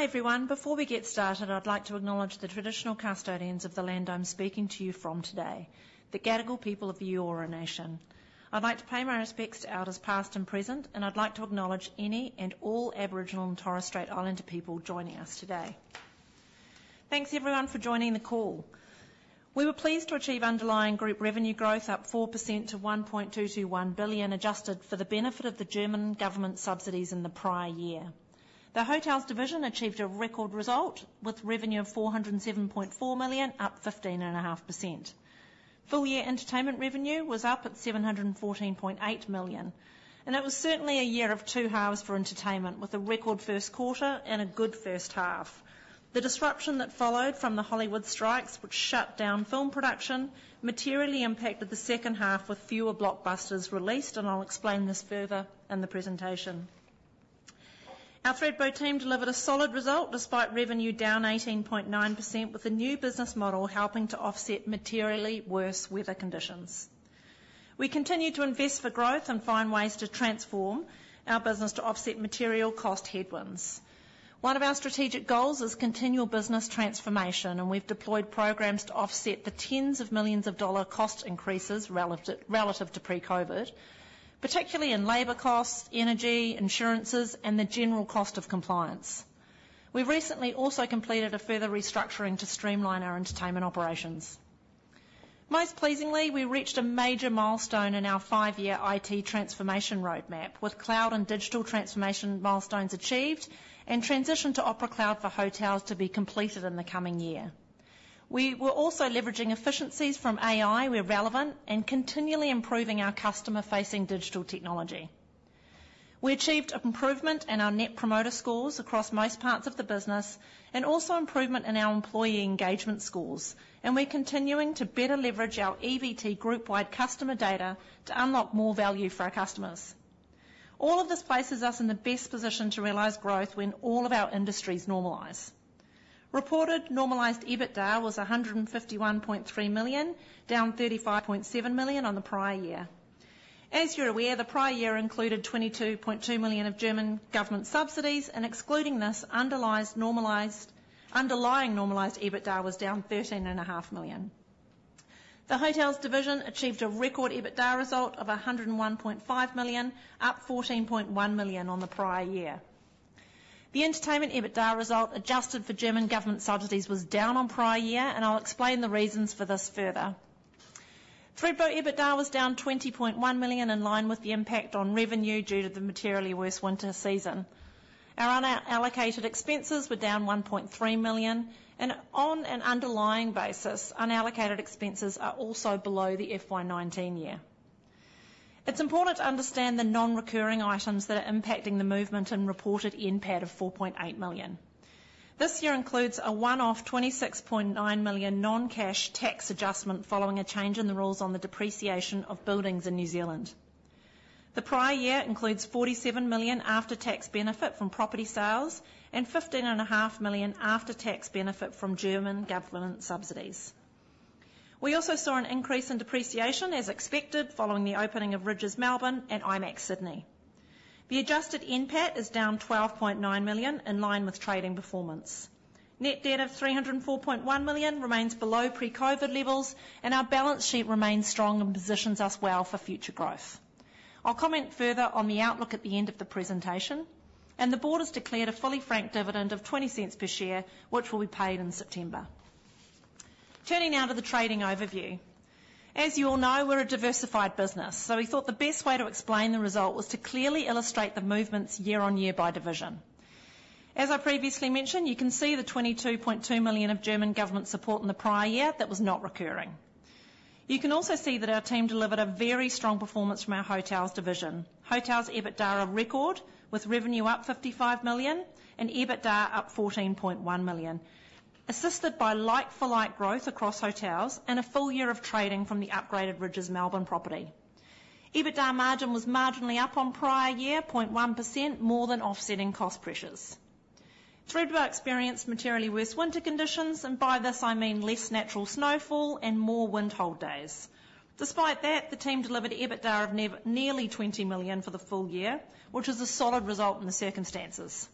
Hi, everyone. Before we get started, I'd like to acknowledge the traditional custodians of the land I'm speaking to you from today, the Gadigal people of the Eora Nation. I'd like to pay my respects to elders past and present, and I'd like to acknowledge any and all Aboriginal and Torres Strait Islander people joining us today. Thanks, everyone, for joining the call. We were pleased to achieve underlying group revenue growth, up 4% to 1.221 billion, adjusted for the benefit of the German government subsidies in the prior year. The hotels division achieved a record result, with revenue of 407.4 million, up 15.5%. Full-year entertainment revenue was up at 714.8 million, and it was certainly a year of two halves for entertainment, with a record first quarter and a good first half. The disruption that followed from the Hollywood strikes, which shut down film production, materially impacted the second half, with fewer blockbusters released, and I'll explain this further in the presentation. Our Thredbo team delivered a solid result, despite revenue down 18.9%, with a new business model helping to offset materially worse weather conditions. We continued to invest for growth and find ways to transform our business to offset material cost headwinds. One of our strategic goals is continual business transformation, and we've deployed programs to offset the tens of millions of dollars cost increases relative to pre-COVID, particularly in labor costs, energy, insurances, and the general cost of compliance. We recently also completed a further restructuring to streamline our entertainment operations. Most pleasingly, we reached a major milestone in our five-year IT transformation roadmap, with cloud and digital transformation milestones achieved and transition to Opera Cloud for hotels to be completed in the coming year. We were also leveraging efficiencies from AI where relevant and continually improving our customer-facing digital technology. We achieved improvement in our net promoter scores across most parts of the business, and also improvement in our employee engagement scores, and we're continuing to better leverage our EVT group-wide customer data to unlock more value for our customers. All of this places us in the best position to realize growth when all of our industries normalize. Reported normalized EBITDA was 151.3 million, down 35.7 million on the prior year. As you're aware, the prior year included 22.2 million of German government subsidies, and excluding this, underlying normalized EBITDA was down 13.5 million. The hotels division achieved a record EBITDA result of 101.5 million, up 14.1 million on the prior year. The entertainment EBITDA result, adjusted for German government subsidies, was down on prior year, and I'll explain the reasons for this further. Thredbo EBITDA was down 20.1 million, in line with the impact on revenue due to the materially worse winter season. Our unallocated expenses were down 1.3 million, and on an underlying basis, unallocated expenses are also below the FY 2019 year. It's important to understand the non-recurring items that are impacting the movement and reported NPAT of 4.8 million. This year includes a one-off 26.9 million non-cash tax adjustment following a change in the rules on the depreciation of buildings in New Zealand. The prior year includes 47 million after-tax benefit from property sales and 15.5 million after-tax benefit from German government subsidies. We also saw an increase in depreciation, as expected, following the opening of Rydges Melbourne and IMAX Sydney. The adjusted NPAT is down 12.9 million, in line with trading performance. Net debt of 304.1 million remains below pre-COVID levels, and our balance sheet remains strong and positions us well for future growth. I'll comment further on the outlook at the end of the presentation, and the board has declared a fully franked dividend of 0.20 per share, which will be paid in September. Turning now to the trading overview. As you all know, we're a diversified business, so we thought the best way to explain the result was to clearly illustrate the movements year on year by division. As I previously mentioned, you can see the 22.2 million of German government support in the prior year that was not recurring. You can also see that our team delivered a very strong performance from our hotels division. Hotels EBITDA a record, with revenue up 55 million and EBITDA up 14.1 million, assisted by like-for-like growth across hotels and a full year of trading from the upgraded Rydges Melbourne property. EBITDA margin was marginally up on prior year, 0.1%, more than offsetting cost pressures. Thredbo experienced materially worse winter conditions, and by this I mean less natural snowfall and more wind hold days. Despite that, the team delivered EBITDA of nearly 20 million for the full year, which is a solid result in the circumstances.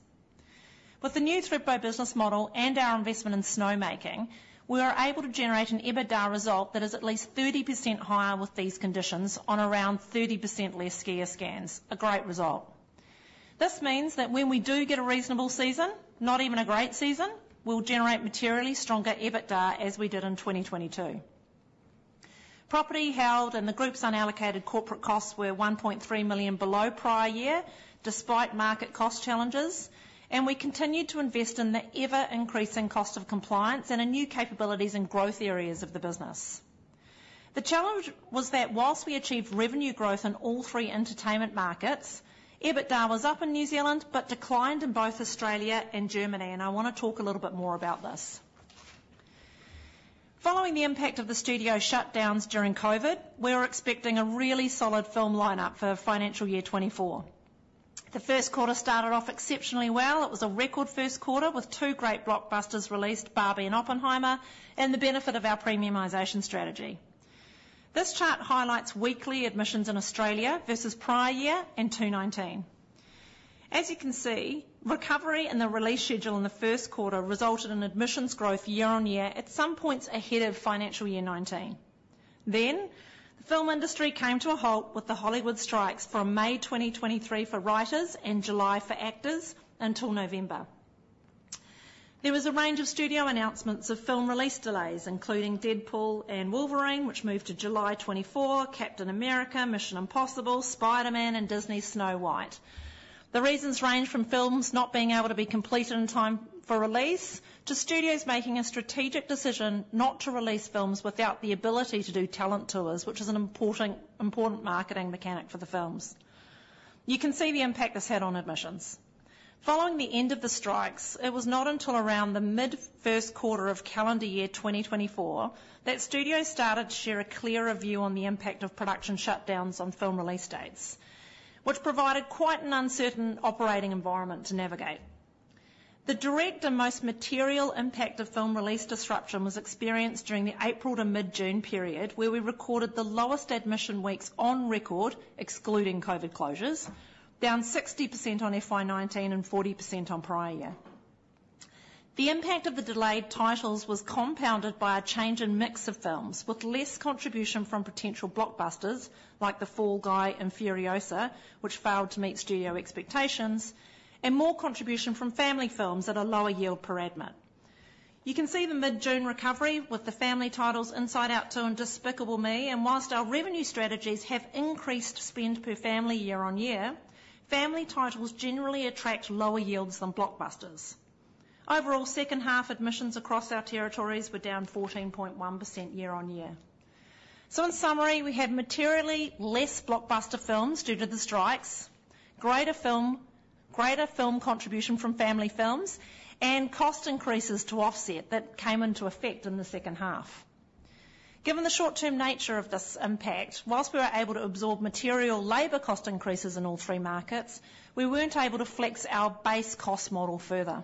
With the new Thredbo business model and our investment in snowmaking, we are able to generate an EBITDA result that is at least 30% higher with these conditions on around 30% less skier scans. A great result. This means that when we do get a reasonable season, not even a great season, we'll generate materially stronger EBITDA, as we did in 2022. Property held and the group's unallocated corporate costs were 1.3 million below prior year, despite market cost challenges, and we continued to invest in the ever-increasing cost of compliance and in new capabilities and growth areas of the business. The challenge was that while we achieved revenue growth in all three entertainment markets, EBITDA was up in New Zealand, but declined in both Australia and Germany, and I want to talk a little bit more about this. Following the impact of the studio shutdowns during COVID, we were expecting a really solid film lineup for financial year 2024. The first quarter started off exceptionally well. It was a record first quarter, with two great blockbusters released, Barbie and Oppenheimer, and the benefit of our premiumization strategy.... This chart highlights weekly admissions in Australia versus prior year and 2019. As you can see, recovery and the release schedule in the first quarter resulted in admissions growth year-on-year at some points ahead of financial year 2019. Then, the film industry came to a halt with the Hollywood strikes from May 2023 for writers and July for actors until November. There was a range of studio announcements of film release delays, including Deadpool & Wolverine, which moved to July 2024, Captain America, Mission: Impossible, Spider-Man, and Disney's Snow White. The reasons range from films not being able to be completed in time for release, to studios making a strategic decision not to release films without the ability to do talent tours, which is an important, important marketing mechanic for the films. You can see the impact this had on admissions. Following the end of the strikes, it was not until around the mid-first quarter of calendar year 2024, that studios started to share a clearer view on the impact of production shutdowns on film release dates, which provided quite an uncertain operating environment to navigate. The direct and most material impact of film release disruption was experienced during the April to mid-June period, where we recorded the lowest admission weeks on record, excluding COVID closures, down 60% on FY 2019 and 40% on prior year. The impact of the delayed titles was compounded by a change in mix of films, with less contribution from potential blockbusters like The Fall Guy and Furiosa, which failed to meet studio expectations, and more contribution from family films at a lower yield per admit. You can see the mid-June recovery with the family titles, Inside Out 2 and Despicable Me, and while our revenue strategies have increased spend per family year-on-year, family titles generally attract lower yields than blockbusters. Overall, second-half admissions across our territories were down 14.1% year-on-year. So in summary, we had materially less blockbuster films due to the strikes, greater film contribution from family films, and cost increases to offset that came into effect in the second half. Given the short-term nature of this impact, while we were able to absorb material labor cost increases in all three markets, we weren't able to flex our base cost model further.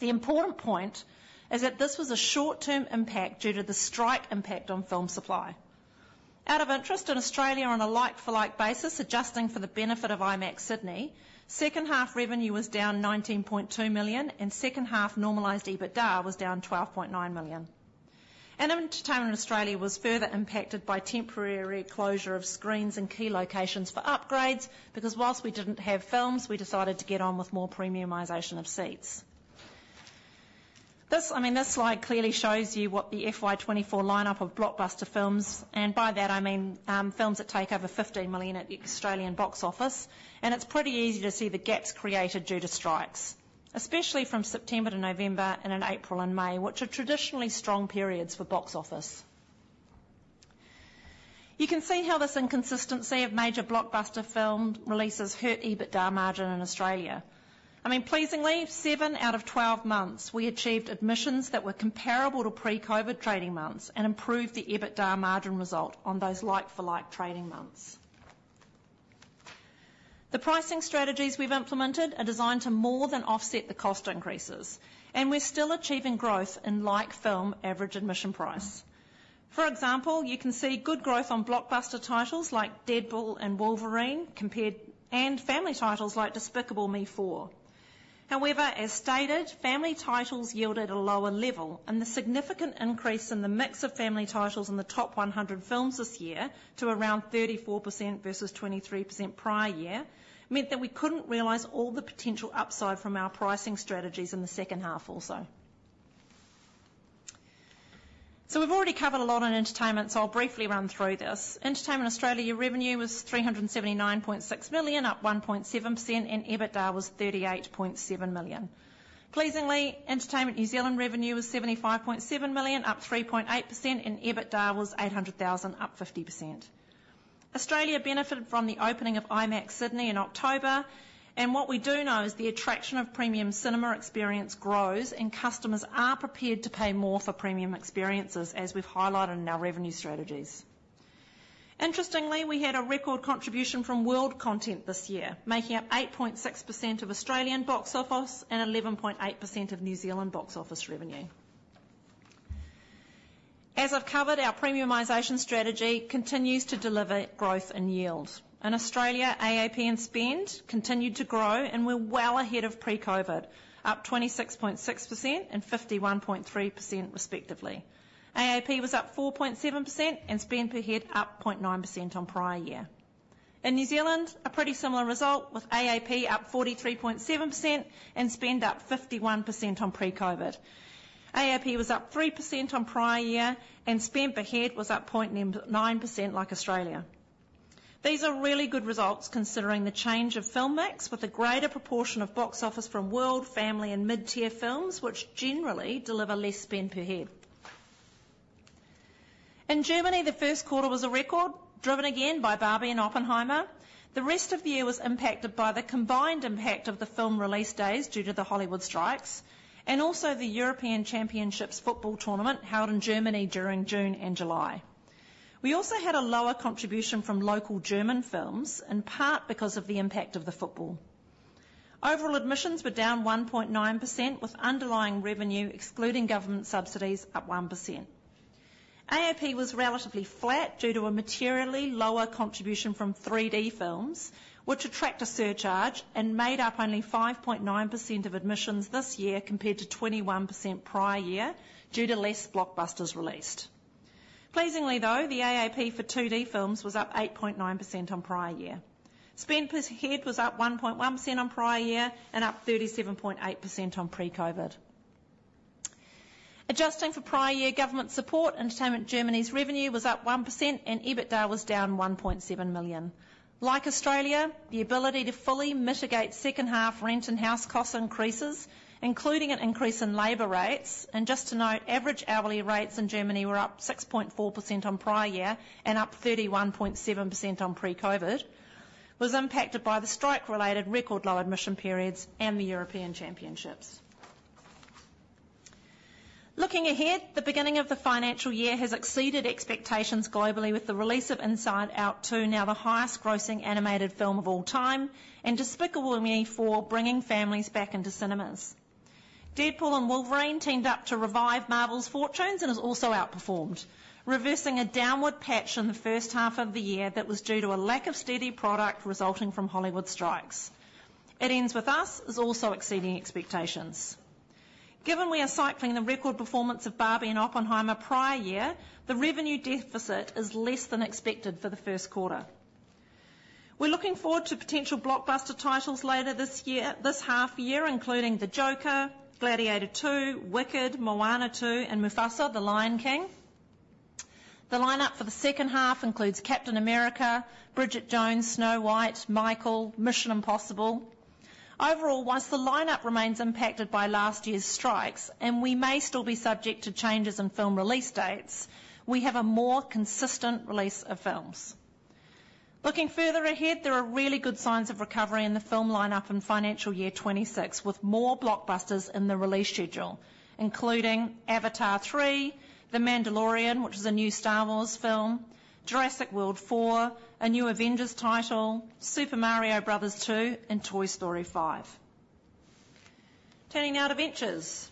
The important point is that this was a short-term impact due to the strike impact on film supply. Out of interest, in Australia, on a like-for-like basis, adjusting for the benefit of IMAX Sydney, second half revenue was down 19.2 million, and second half normalized EBITDA was down 12.9 million. Entertainment Australia was further impacted by temporary closure of screens in key locations for upgrades, because while we didn't have films, we decided to get on with more premiumization of seats. This, I mean, this slide clearly shows you what the FY 2024 lineup of blockbuster films, and by that I mean, films that take over 15 million at the Australian box office. It's pretty easy to see the gaps created due to strikes, especially from September to November and in April and May, which are traditionally strong periods for box office. You can see how this inconsistency of major blockbuster film releases hurt EBITDA margin in Australia. I mean, pleasingly, seven out of 12 months, we achieved admissions that were comparable to pre-COVID trading months and improved the EBITDA margin result on those like-for-like trading months. The pricing strategies we've implemented are designed to more than offset the cost increases, and we're still achieving growth in like-film average admission price. For example, you can see good growth on blockbuster titles like Deadpool and Wolverine compared... and family titles like Despicable Me 4. However, as stated, family titles yield at a lower level, and the significant increase in the mix of family titles in the top one hundred films this year to around 34% versus 23% prior year, meant that we couldn't realize all the potential upside from our pricing strategies in the second half also. So we've already covered a lot on entertainment, so I'll briefly run through this. Entertainment Australia, revenue was 379.6 million, up 1.7%, and EBITDA was 38.7 million. Pleasingly, Entertainment New Zealand revenue was 75.7 million, up 3.8%, and EBITDA was 800,000, up 50%. Australia benefited from the opening of IMAX Sydney in October, and what we do know is the attraction of premium cinema experience grows and customers are prepared to pay more for premium experiences, as we've highlighted in our revenue strategies. Interestingly, we had a record contribution from world content this year, making up 8.6% of Australian box office and 11.8% of New Zealand box office revenue. As I've covered, our premiumization strategy continues to deliver growth and yield. In Australia, AAP and spend continued to grow, and we're well ahead of pre-COVID, up 26.6% and 51.3% respectively. AAP was up 4.7% and spend per head up 0.9% on prior year. In New Zealand, a pretty similar result, with AAP up 43.7% and spend up 51% on pre-COVID. AAP was up 3% on prior year, and spend per head was up 0.9%, like Australia. These are really good results considering the change of film mix, with a greater proportion of box office from world, family, and mid-tier films, which generally deliver less spend per head. In Germany, the first quarter was a record, driven again by Barbie and Oppenheimer. The rest of the year was impacted by the combined impact of the film release days due to the Hollywood strikes and also the European Championships football tournament, held in Germany during June and July. We also had a lower contribution from local German films, in part because of the impact of the football. Overall admissions were down 1.9%, with underlying revenue, excluding government subsidies, up 1%. AAP was relatively flat due to a materially lower contribution from 3D films, which attract a surcharge and made up only 5.9% of admissions this year, compared to 21% prior year, due to less blockbusters released. Pleasingly, though, the AAP for 2D films was up 8.9% on prior year. Spend per head was up 1.1% on prior year and up 37.8% on pre-COVID. Adjusting for prior year government support, Entertainment Germany's revenue was up 1% and EBITDA was down 1.7 million. Like Australia, the ability to fully mitigate second half rent and house cost increases, including an increase in labor rates, and just to note, average hourly rates in Germany were up 6.4% on prior year and up 31.7% on pre-COVID, was impacted by the strike-related record low admission periods and the European Championships. Looking ahead, the beginning of the financial year has exceeded expectations globally with the release of Inside Out 2, now the highest grossing animated film of all time, and Despicable Me 4, bringing families back into cinemas. Deadpool & Wolverine teamed up to revive Marvel's fortunes and has also outperformed, reversing a downward patch in the first half of the year that was due to a lack of steady product resulting from Hollywood strikes. It Ends with Us is also exceeding expectations. Given we are cycling the record performance of Barbie and Oppenheimer prior year, the revenue deficit is less than expected for the first quarter. We're looking forward to potential blockbuster titles later this year, this half year, including The Joker, Gladiator 2, Wicked, Moana 2, and Mufasa: The Lion King. The lineup for the second half includes Captain America, Bridget Jones, Snow White, Michael, Mission: Impossible. Overall, while the lineup remains impacted by last year's strikes, and we may still be subject to changes in film release dates, we have a more consistent release of films. Looking further ahead, there are really good signs of recovery in the film lineup in financial year 2026, with more blockbusters in the release schedule, including Avatar 3, The Mandalorian, which is a new Star Wars film, Jurassic World 4, a new Avengers title, Super Mario Bros. 2, and Toy Story 5. Turning now to ventures.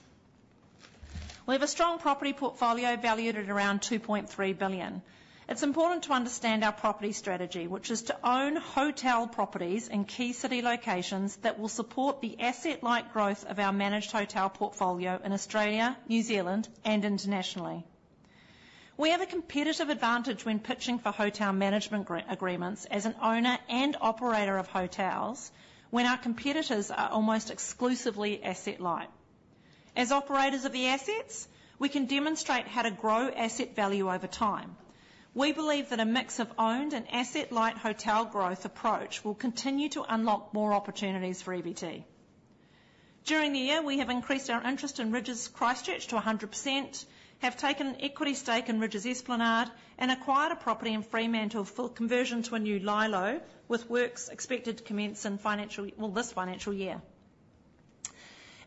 We have a strong property portfolio valued at around 2.3 billion. It's important to understand our property strategy, which is to own hotel properties in key city locations that will support the asset-light growth of our managed hotel portfolio in Australia, New Zealand, and internationally. We have a competitive advantage when pitching for hotel management agreements as an owner and operator of hotels, when our competitors are almost exclusively asset light. As operators of the assets, we can demonstrate how to grow asset value over time. We believe that a mix of owned and asset-light hotel growth approach will continue to unlock more opportunities for EVT. During the year, we have increased our interest in Rydges Christchurch to 100%, have taken an equity stake in Rydges Esplanade, and acquired a property in Fremantle for conversion to a new LyLo, with works expected to commence in this financial year.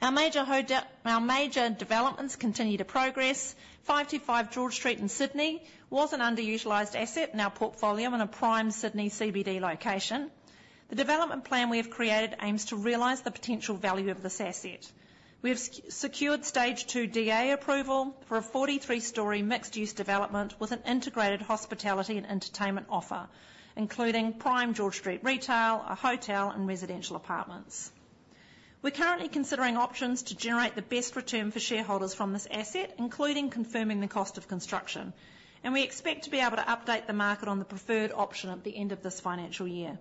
Our major hotel developments continue to progress. 55 George Street in Sydney was an underutilized asset in our portfolio in a prime Sydney CBD location. The development plan we have created aims to realize the potential value of this asset. We have secured stage two DA approval for a 43-story mixed-use development with an integrated hospitality and entertainment offer, including prime George Street retail, a hotel, and residential apartments. We're currently considering options to generate the best return for shareholders from this asset, including confirming the cost of construction, and we expect to be able to update the market on the preferred option at the end of this financial year.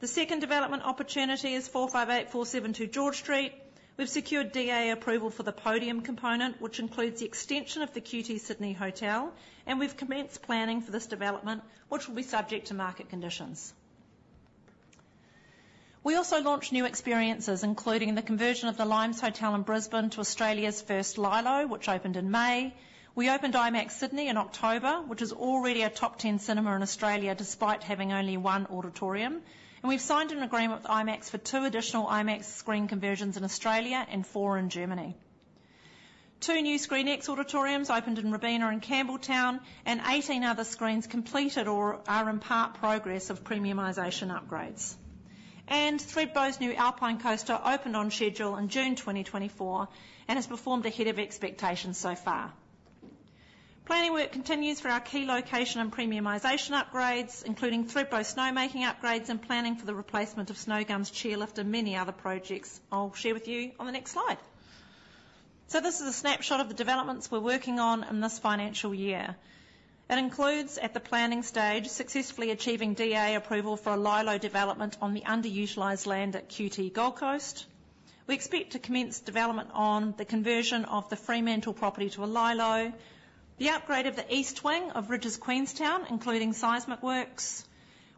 The second development opportunity is 458-472 George Street. We've secured DA approval for the podium component, which includes the extension of the QT Sydney Hotel, and we've commenced planning for this development, which will be subject to market conditions. We also launched new experiences, including the conversion of the Limes Hotel in Brisbane to Australia's first LyLo, which opened in May. We opened IMAX Sydney in October, which is already a top 10 cinema in Australia, despite having only one auditorium, and we've signed an agreement with IMAX for two additional IMAX screen conversions in Australia and four in Germany. Two new ScreenX auditoriums opened in Robina and Campbelltown, and 18 other screens completed or are in part progress of premiumization upgrades. Thredbo's new Alpine Coaster opened on schedule in June 2024 and has performed ahead of expectations so far. Planning work continues for our key location and premiumization upgrades, including Thredbo snowmaking upgrades and planning for the replacement of snow guns, chairlift, and many other projects I'll share with you on the next slide. This is a snapshot of the developments we're working on in this financial year. It includes, at the planning stage, successfully achieving DA approval for a LyLo development on the underutilized land at QT Gold Coast. We expect to commence development on the conversion of the Fremantle property to a LyLo, the upgrade of the East wing of Rydges Queenstown, including seismic works.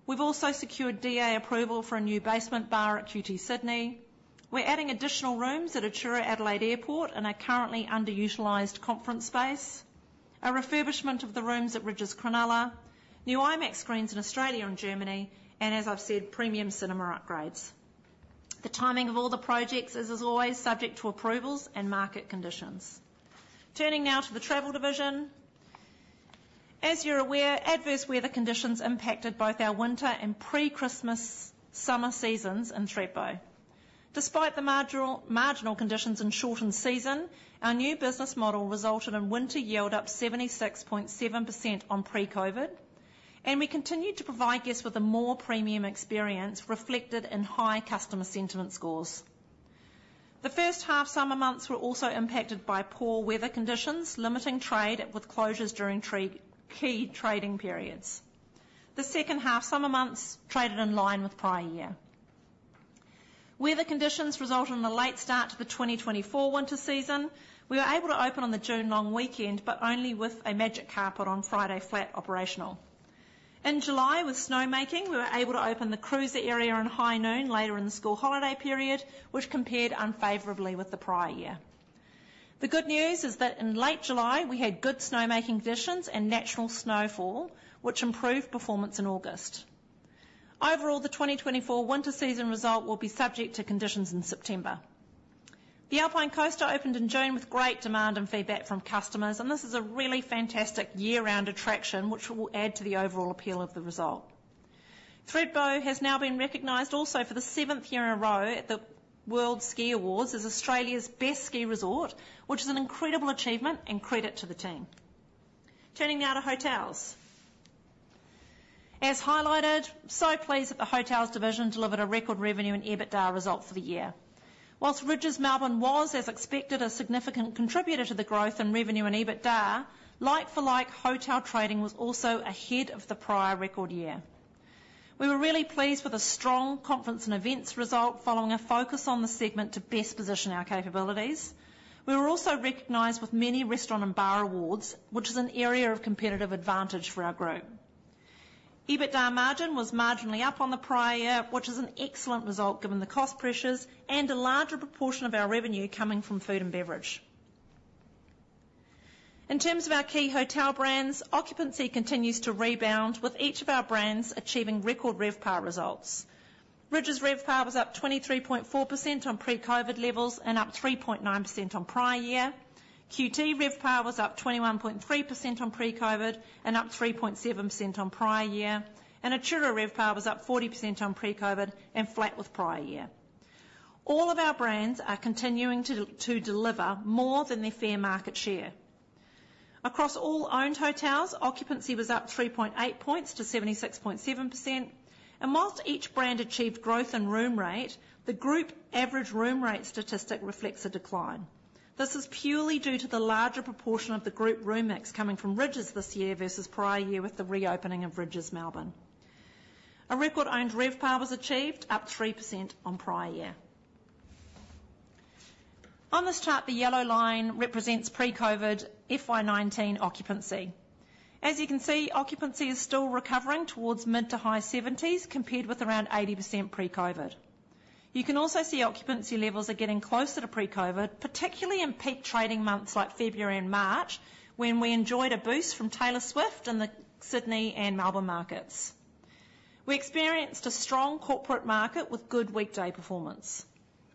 We've also secured DA approval for a new basement bar at QT Sydney. We're adding additional rooms at Atura Adelaide Airport in a currently underutilized conference space, a refurbishment of the rooms at Rydges Cronulla, new IMAX screens in Australia and Germany, and as I've said, premium cinema upgrades. The timing of all the projects is, as always, subject to approvals and market conditions. Turning now to the travel division. As you're aware, adverse weather conditions impacted both our winter and pre-Christmas summer seasons in Thredbo. Despite the marginal conditions and shortened season, our new business model resulted in winter yield up 76.7% on pre-COVID, and we continued to provide guests with a more premium experience, reflected in high customer sentiment scores. The first half summer months were also impacted by poor weather conditions, limiting trade with closures during key trading periods. The second half summer months traded in line with prior year. Weather conditions resulted in a late start to the twenty twenty-four winter season. We were able to open on the June long weekend, but only with a magic carpet on Friday Flat operational. In July, with snowmaking, we were able to open the cruiser area on High Noon later in the school holiday period, which compared unfavorably with the prior year. The good news is that in late July, we had good snowmaking conditions and natural snowfall, which improved performance in August. Overall, the twenty twenty-four winter season result will be subject to conditions in September. The Alpine Coaster opened in June with great demand and feedback from customers, and this is a really fantastic year-round attraction, which will add to the overall appeal of the result. Thredbo has now been recognized also for the seventh year in a row at the World Ski Awards as Australia's best ski resort, which is an incredible achievement and credit to the team. Turning now to hotels. As highlighted, so pleased that the hotels division delivered a record revenue and EBITDA result for the year. Whilst Rydges Melbourne was, as expected, a significant contributor to the growth in revenue and EBITDA, like-for-like hotel trading was also ahead of the prior record year. We were really pleased with the strong conference and events result, following a focus on the segment to best position our capabilities. We were also recognized with many restaurant and bar awards, which is an area of competitive advantage for our group. EBITDA margin was marginally up on the prior year, which is an excellent result given the cost pressures and a larger proportion of our revenue coming from food and beverage. In terms of our key hotel brands, occupancy continues to rebound, with each of our brands achieving record RevPAR results. Rydges RevPAR was up 23.4% on pre-COVID levels and up 3.9% on prior year. QT RevPAR was up 21.3% on pre-COVID and up 3.7% on prior year. Atura RevPAR was up 40% on pre-COVID and flat with prior year. All of our brands are continuing to deliver more than their fair market share. Across all owned hotels, occupancy was up 3.8 points to 76.7%, and while each brand achieved growth in room rate, the group average room rate statistic reflects a decline. This is purely due to the larger proportion of the group room mix coming from Rydges this year versus prior year, with the reopening of Rydges Melbourne. A record owned RevPAR was achieved, up 3% on prior year. On this chart, the yellow line represents pre-COVID FY 2019 occupancy. As you can see, occupancy is still recovering towards mid- to high 70s, compared with around 80% pre-COVID. You can also see occupancy levels are getting closer to pre-COVID, particularly in peak trading months like February and March, when we enjoyed a boost from Taylor Swift in the Sydney and Melbourne markets. We experienced a strong corporate market with good weekday performance.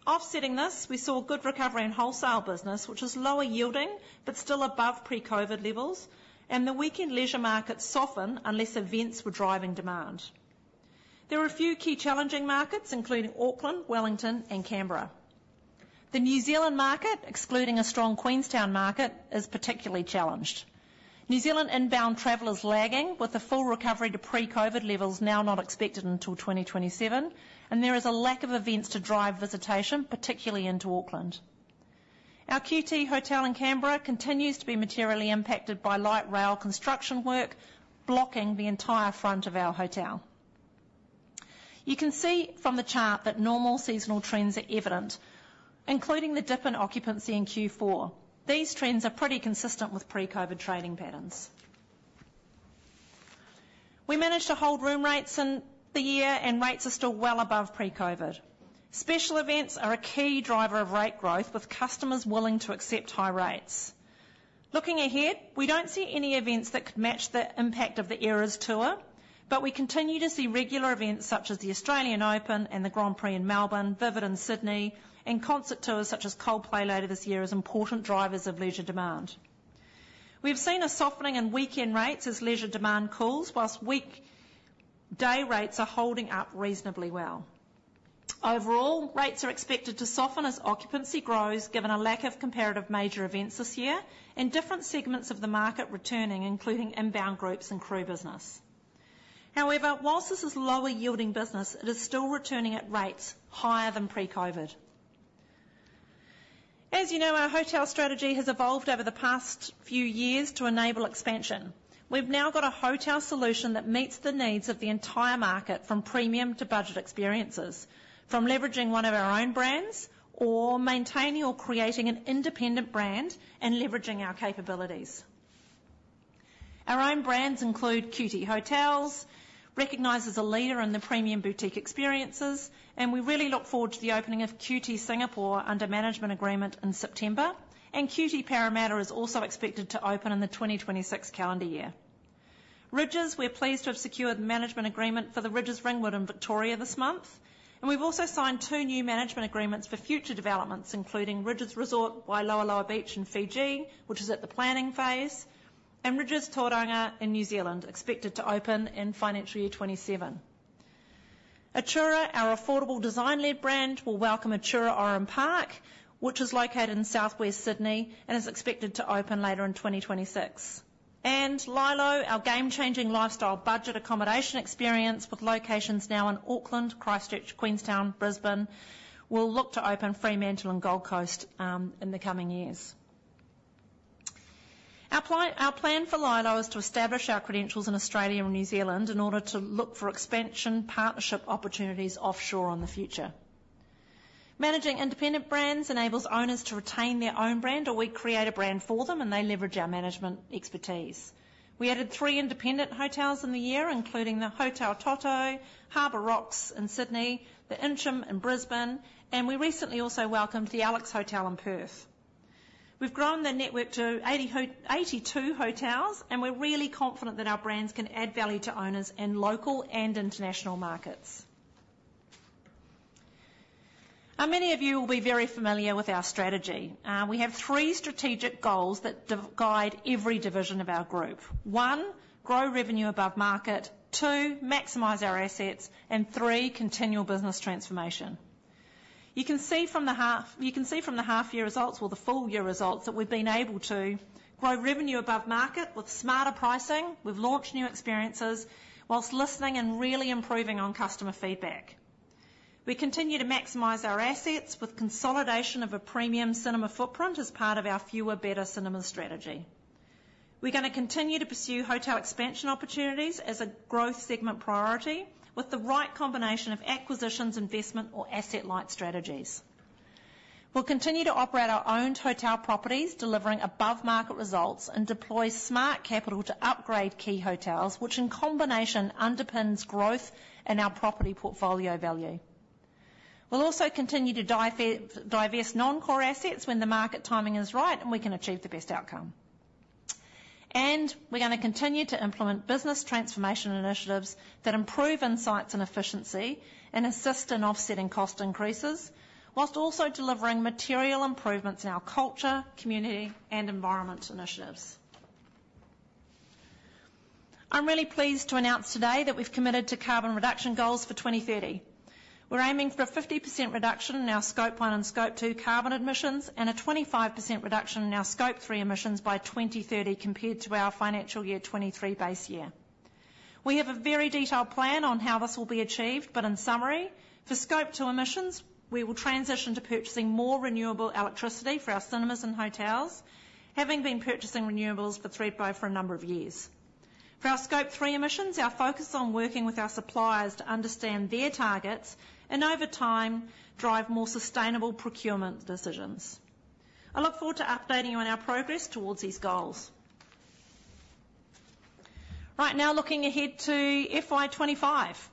Offsetting this, we saw good recovery in wholesale business, which is lower yielding but still above pre-COVID levels, and the weekend leisure market softened unless events were driving demand. There were a few key challenging markets, including Auckland, Wellington, and Canberra. The New Zealand market, excluding a strong Queenstown market, is particularly challenged. New Zealand inbound travel is lagging, with the full recovery to pre-COVID levels now not expected until 2027, and there is a lack of events to drive visitation, particularly into Auckland. Our QT hotel in Canberra continues to be materially impacted by light rail construction work, blocking the entire front of our hotel. You can see from the chart that normal seasonal trends are evident, including the dip in occupancy in Q4. These trends are pretty consistent with pre-COVID trading patterns. We managed to hold room rates in the year, and rates are still well above pre-COVID. Special events are a key driver of rate growth, with customers willing to accept high rates. Looking ahead, we don't see any events that could match the impact of the Eras Tour, but we continue to see regular events, such as the Australian Open and the Grand Prix in Melbourne, Vivid in Sydney, and concert tours such as Coldplay later this year, as important drivers of leisure demand. We've seen a softening in weekend rates as leisure demand cools, while weekday rates are holding up reasonably well. Overall, rates are expected to soften as occupancy grows, given a lack of comparative major events this year and different segments of the market returning, including inbound groups and crew business. However, while this is lower-yielding business, it is still returning at rates higher than pre-COVID. As you know, our hotel strategy has evolved over the past few years to enable expansion. We've now got a hotel solution that meets the needs of the entire market, from premium to budget experiences, from leveraging one of our own brands or maintaining or creating an independent brand and leveraging our capabilities. Our own brands include QT Hotels, recognized as a leader in the premium boutique experiences, and we really look forward to the opening of QT Singapore under management agreement in September, and QT Parramatta is also expected to open in the 2026 calendar year. Rydges, we're pleased to have secured the management agreement for the Rydges Ringwood in Victoria this month, and we've also signed two new management agreements for future developments, including Rydges Resort Wailoaloa Beach in Fiji, which is at the planning phase, and Rydges Tauranga in New Zealand, expected to open in financial year 2027. Atura, our affordable design-led brand, will welcome Atura Oran Park, which is located in Southwest Sydney and is expected to open later in 2026. LyLo, our game-changing lifestyle budget accommodation experience with locations now in Auckland, Christchurch, Queenstown, Brisbane, will look to open Fremantle and Gold Coast in the coming years. Our plan for LyLo is to establish our credentials in Australia and New Zealand in order to look for expansion partnership opportunities offshore in the future. Managing independent brands enables owners to retain their own brand, or we create a brand for them, and they leverage our management expertise. We added three independent hotels in the year, including the Hotel Totto, Harbour Rocks in Sydney, The Interim in Brisbane, and we recently also welcomed the Alex Hotel in Perth. We've grown the network to eighty-two hotels, and we're really confident that our brands can add value to owners in local and international markets. Now, many of you will be very familiar with our strategy. We have three strategic goals that guide every division of our group. One, grow revenue above market. Two, maximize our assets. And three, continual business transformation. You can see from the half-year results or the full-year results, that we've been able to grow revenue above market with smarter pricing. We've launched new experiences while listening and really improving on customer feedback. We continue to maximize our assets with consolidation of a premium cinema footprint as part of our fewer, better cinema strategy. We're gonna continue to pursue hotel expansion opportunities as a growth segment priority with the right combination of acquisitions, investment, or asset-light strategies. We'll continue to operate our own hotel properties, delivering above-market results, and deploy smart capital to upgrade key hotels, which, in combination, underpins growth in our property portfolio value. We'll also continue to divest non-core assets when the market timing is right, and we can achieve the best outcome, and we're gonna continue to implement business transformation initiatives that improve insights and efficiency and assist in offsetting cost increases, while also delivering material improvements in our culture, community, and environment initiatives. I'm really pleased to announce today that we've committed to carbon reduction goals for 2030. We're aiming for a 50% reduction in our Scope one and Scope two carbon emissions and a 25% reduction in our Scope three emissions by 2030 compared to our financial year 2023 base year. We have a very detailed plan on how this will be achieved, but in summary, for Scope two emissions, we will transition to purchasing more renewable electricity for our cinemas and hotels, having been purchasing renewables for Thredbo for a number of years. For our Scope three emissions, our focus on working with our suppliers to understand their targets and, over time, drive more sustainable procurement decisions. I look forward to updating you on our progress towards these goals. Right now, looking ahead to FY 2025.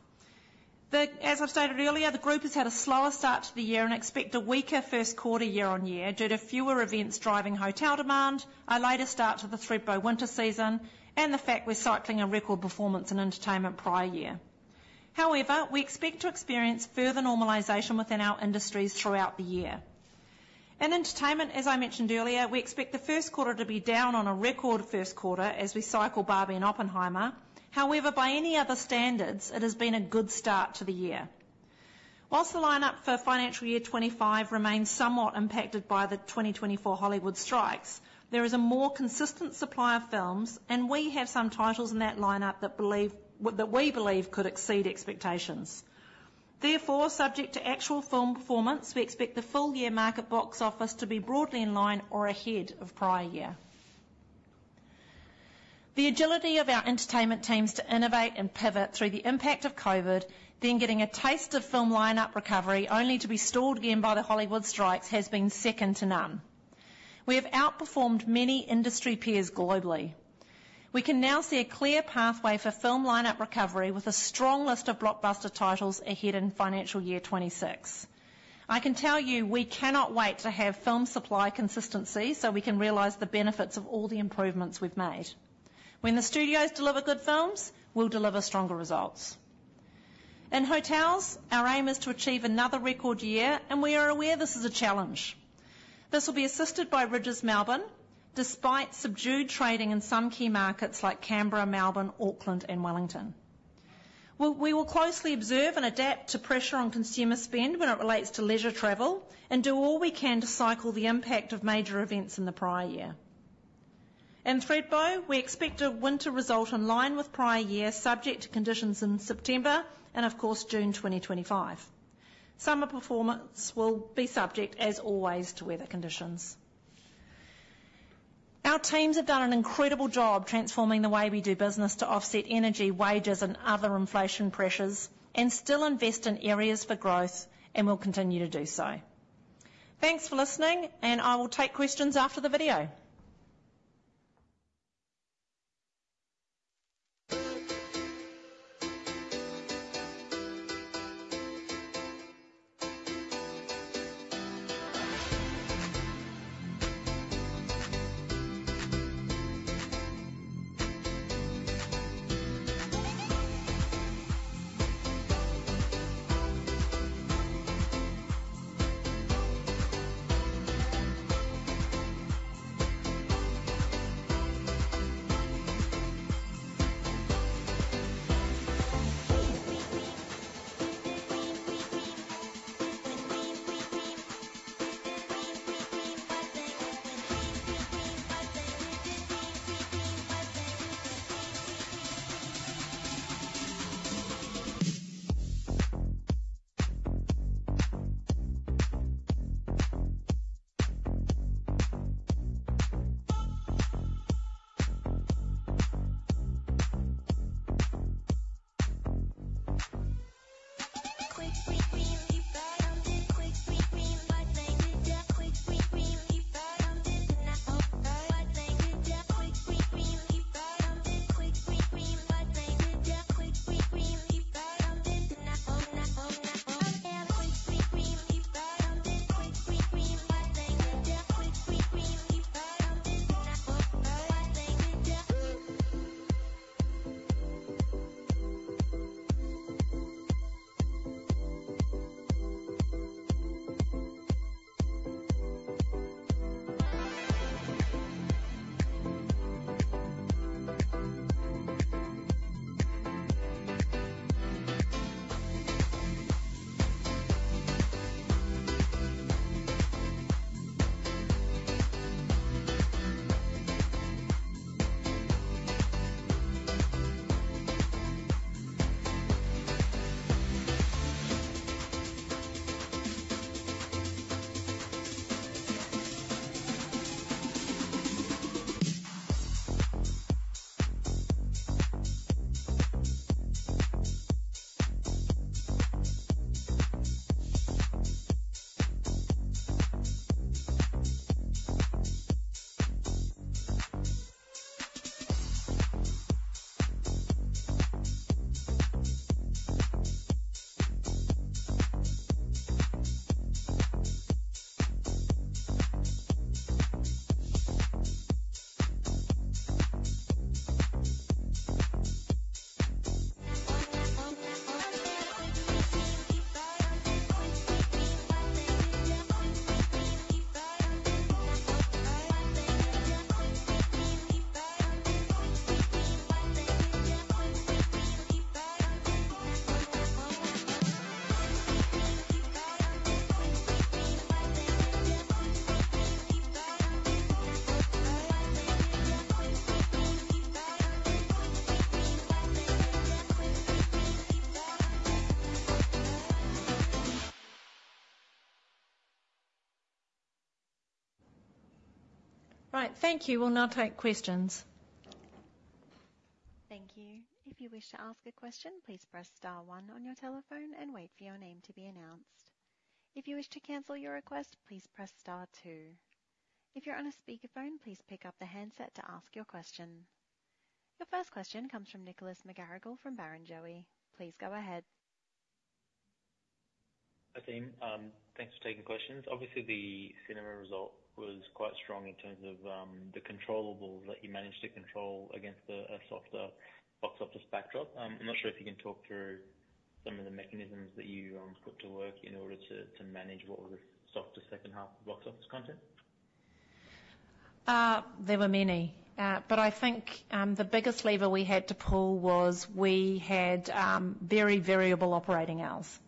As I've stated earlier, the group has had a slower start to the year and expect a weaker first quarter year-on-year due to fewer events driving hotel demand, a later start to the Thredbo winter season, and the fact we're cycling a record performance in entertainment prior year. However, we expect to experience further normalization within our industries throughout the year. In entertainment, as I mentioned earlier, we expect the first quarter to be down on a record first quarter as we cycle Barbie and Oppenheimer. However, by any other standards, it has been a good start to the year. While the lineup for financial year twenty-five remains somewhat impacted by the twenty twenty-four Hollywood strikes, there is a more consistent supply of films, and we have some titles in that lineup that we believe could exceed expectations. Therefore, subject to actual film performance, we expect the full-year market box office to be broadly in line or ahead of prior year. The agility of our entertainment teams to innovate and pivot through the impact of COVID, then getting a taste of film lineup recovery, only to be stalled again by the Hollywood strikes, has been second to none. We have outperformed many industry peers globally. We can now see a clear pathway for film lineup recovery with a strong list of blockbuster titles ahead in financial year 2026. I can tell you, we cannot wait to have film supply consistency, so we can realize the benefits of all the improvements we've made. When the studios deliver good films, we'll deliver stronger results. In hotels, our aim is to achieve another record year, and we are aware this is a challenge. This will be assisted by Rydges Melbourne, despite subdued trading in some key markets like Canberra, Melbourne, Auckland, and Wellington. We will closely observe and adapt to pressure on consumer spend when it relates to leisure travel and do all we can to cycle the impact of major events in the prior year. In Thredbo, we expect a winter result in line with prior year, subject to conditions in September and, of course, June 2025. Summer performance will be subject, as always, to weather conditions. Our teams have done an incredible job transforming the way we do business to offset energy, wages, and other inflation pressures and still invest in areas for growth, and we'll continue to do so. Thanks for listening, and I will take questions after the video. Right. Thank you. We'll now take questions. Thank you. If you wish to ask a question, please press star one on your telephone and wait for your name to be announced. If you wish to cancel your request, please press star two. If you're on a speakerphone, please pick up the handset to ask your question. The first question comes from Nicholas McGarrigle from Barrenjoey. Please go ahead. Hi, team. Thanks for taking questions. Obviously, the cinema result was quite strong in terms of, the controllable that you managed to control against a softer box office backdrop. I'm not sure if you can talk through some of the mechanisms that you put to work in order to manage what was a softer second half of box office content? There were many, but I think the biggest lever we had to pull was we had very variable operating hours.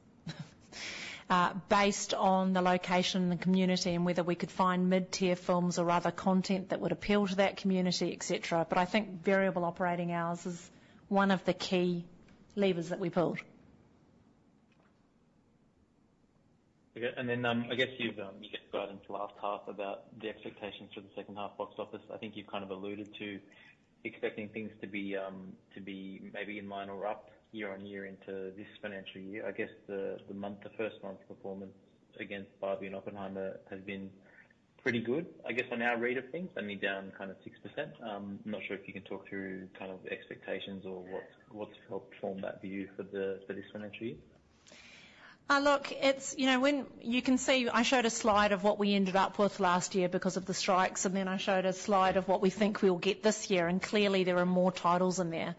Based on the location and the community, and whether we could find mid-tier films or other content that would appeal to that community, etc. But I think variable operating hours is one of the key levers that we pulled. Okay, and then, I guess you just got into last half about the expectations for the second half box office. I think you've kind of alluded to expecting things to be maybe in line or up year-on-year into this financial year. I guess the first month's performance against Barbie and Oppenheimer has been pretty good. I guess on our read of things, only down kind of 6%. I'm not sure if you can talk through kind of expectations or what's helped form that view for this financial year? Look, it's. You know, when you can see I showed a slide of what we ended up with last year because of the strikes, and then I showed a slide of what we think we'll get this year, and clearly there are more titles in there.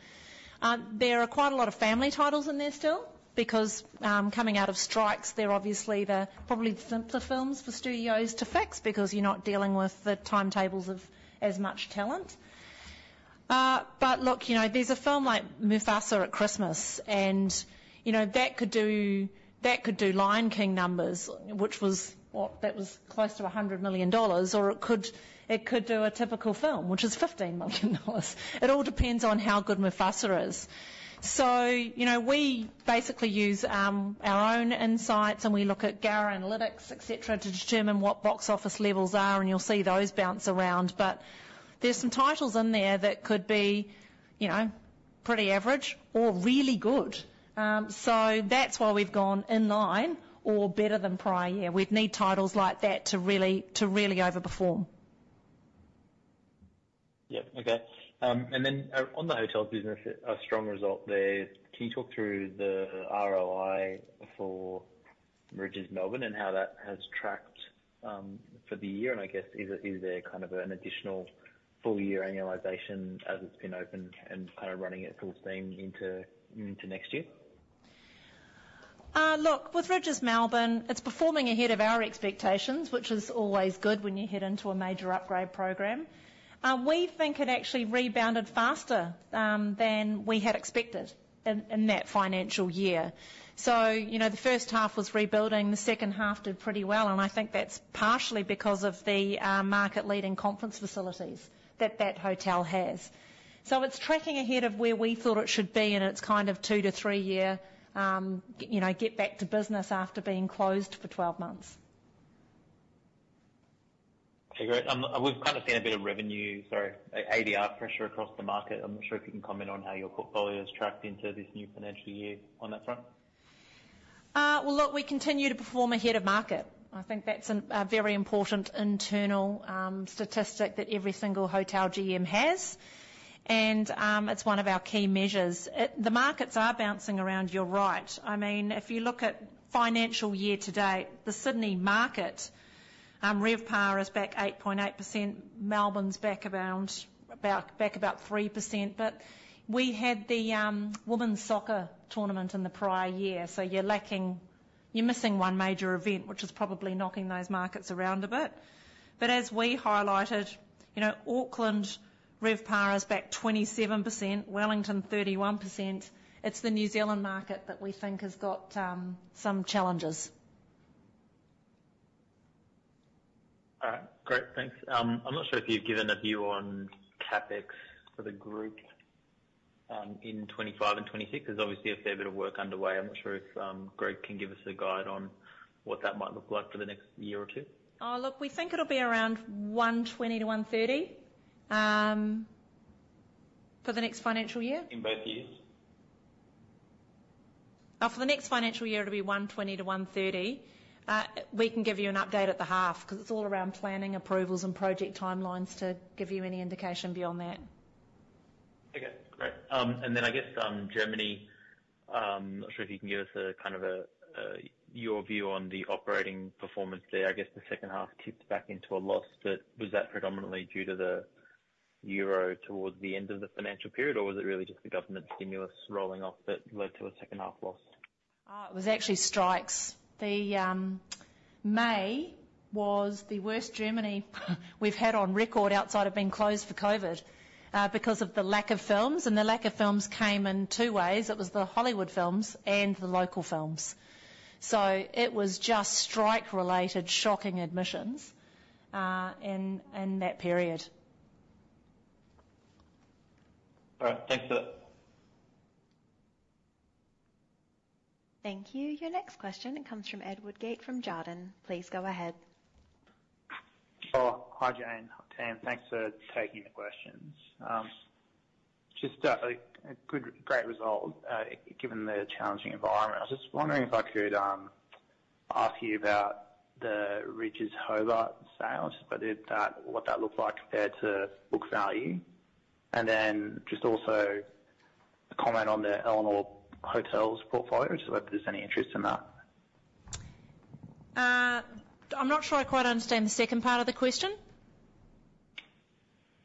There are quite a lot of family titles in there still, because, coming out of strikes, they're obviously the probably simpler films for studios to fix because you're not dealing with the timetables of as much talent. But look, you know, there's a film like Mufasa at Christmas, and, you know, that could do, that could do Lion King numbers, which was what? That was close to $100 million or it could, it could do a typical film, which is $15 million. It all depends on how good Mufasa is. So, you know, we basically use our own insights, and we look at GARA Analytics, et cetera, to determine what box office levels are, and you'll see those bounce around. But there's some titles in there that could be, you know, pretty average or really good. So that's why we've gone in line or better than prior year. We'd need titles like that to really overperform. .Yep, okay. And then, on the hotels business, a strong result there. Can you talk through the ROI for Rydges Melbourne and how that has tracked, for the year? And I guess, is it, is there kind of an additional full year annualization as it's been opened and kind of running at full steam into next year? Look, with Rydges Melbourne, it's performing ahead of our expectations, which is always good when you head into a major upgrade program. We think it actually rebounded faster than we had expected in that financial year. So, you know, the first half was rebuilding, the second half did pretty well, and I think that's partially because of the market-leading conference facilities that that hotel has. So it's tracking ahead of where we thought it should be in its kind of two to three year, you know, get back to business after being closed for 12 months. Okay, great. We've kind of seen a bit of revenue, sorry, ADR pressure across the market. I'm not sure if you can comment on how your portfolio has tracked into this new financial year on that front? Well, look, we continue to perform ahead of market. I think that's a very important internal statistic that every single hotel GM has, and it's one of our key measures. The markets are bouncing around, you're right. I mean, if you look at financial year to date, the Sydney market RevPAR is back 8.8%, Melbourne's back about 3%. But we had the women's soccer tournament in the prior year, so you're missing one major event, which is probably knocking those markets around a bit. But as we highlighted, you know, Auckland RevPAR is back 27%, Wellington 31%. It's the New Zealand market that we think has got some challenges. All right, great. Thanks. I'm not sure if you've given a view on CapEx for the group in 2025 and 2026. There's obviously a fair bit of work underway. I'm not sure if Greg can give us a guide on what that might look like for the next year or two. Look, we think it'll be around 120-130 for the next financial year. In both years? For the next financial year, it'll be 120-130. We can give you an update at the half, because it's all around planning, approvals, and project timelines to give you any indication beyond that. Okay, great. And then I guess, Germany, not sure if you can give us a kind of your view on the operating performance there. I guess, the second half tips back into a loss, but was that predominantly due to the Euro towards the end of the financial period? Or was it really just the government stimulus rolling off that led to a second half loss? It was actually strikes. The May was the worst Germany we've had on record outside of being closed for COVID, because of the lack of films, and the lack of films came in two ways: It was the Hollywood films and the local films. So it was just strike-related shocking admissions in that period. All right, thanks for that. Thank you. Your next question comes from Ed Woodgate from Jarden. Please go ahead. Oh, hi, Jane. Hi, Tam. Thanks for taking the questions. Just a good, great result given the challenging environment. I was just wondering if I could ask you about the Rydges Hobart sales, but what that looked like compared to book value? And then just also a comment on the Elanor Hotels portfolio, so if there's any interest in that. I'm not sure I quite understand the second part of the question.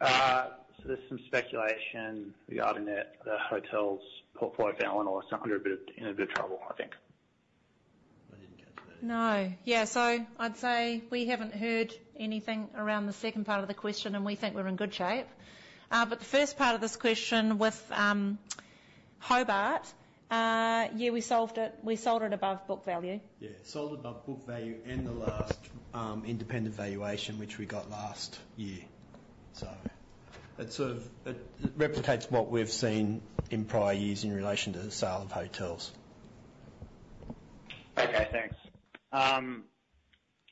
So there's some speculation regarding the hotels portfolio of Elanor. It's under a bit of trouble, I think. I didn't catch that. No. Yeah, so I'd say we haven't heard anything around the second part of the question, and we think we're in good shape. But the first part of this question with Hobart, yeah, we solved it. We sold it above book value. Yeah, sold it above book value in the last, independent valuation, which we got last year. So it sort of replicates what we've seen in prior years in relation to the sale of hotels. Okay, thanks.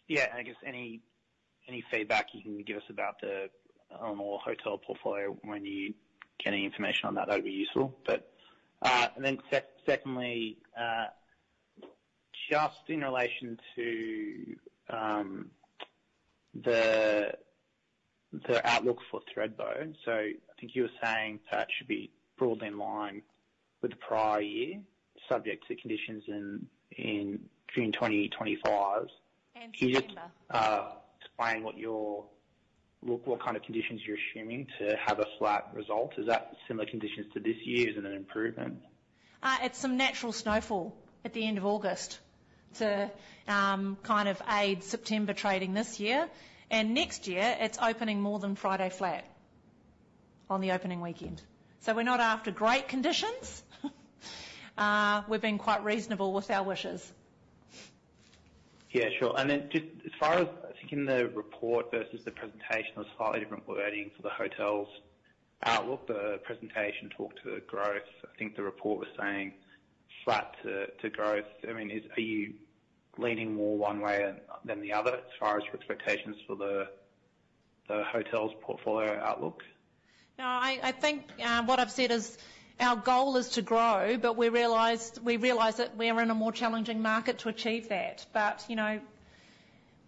Yeah, I guess any feedback you can give us about the Elanor Hotels portfolio, when you get any information on that, that'd be useful. But, and then secondly, just in relation to the outlook for Thredbo. So I think you were saying that should be broadly in line with the prior year, subject to conditions in June 2025. And September. Can you just explain what kind of conditions you're assuming to have a flat result? Is that similar conditions to this year? Is it an improvement? It's some natural snowfall at the end of August to kind of aid September trading this year. And next year, it's opening more than Friday Flat on the opening weekend. So we're not after great conditions. We've been quite reasonable with our wishes. Yeah, sure. And then just as far as, I think, in the report versus the presentation, there's slightly different wordings for the hotels outlook. The presentation talked to growth. I think the report was saying flat to growth. I mean, are you leaning more one way than the other as far as your expectations for the hotels portfolio outlook? No, I think what I've said is our goal is to grow, but we realized, we realize that we are in a more challenging market to achieve that. But, you know,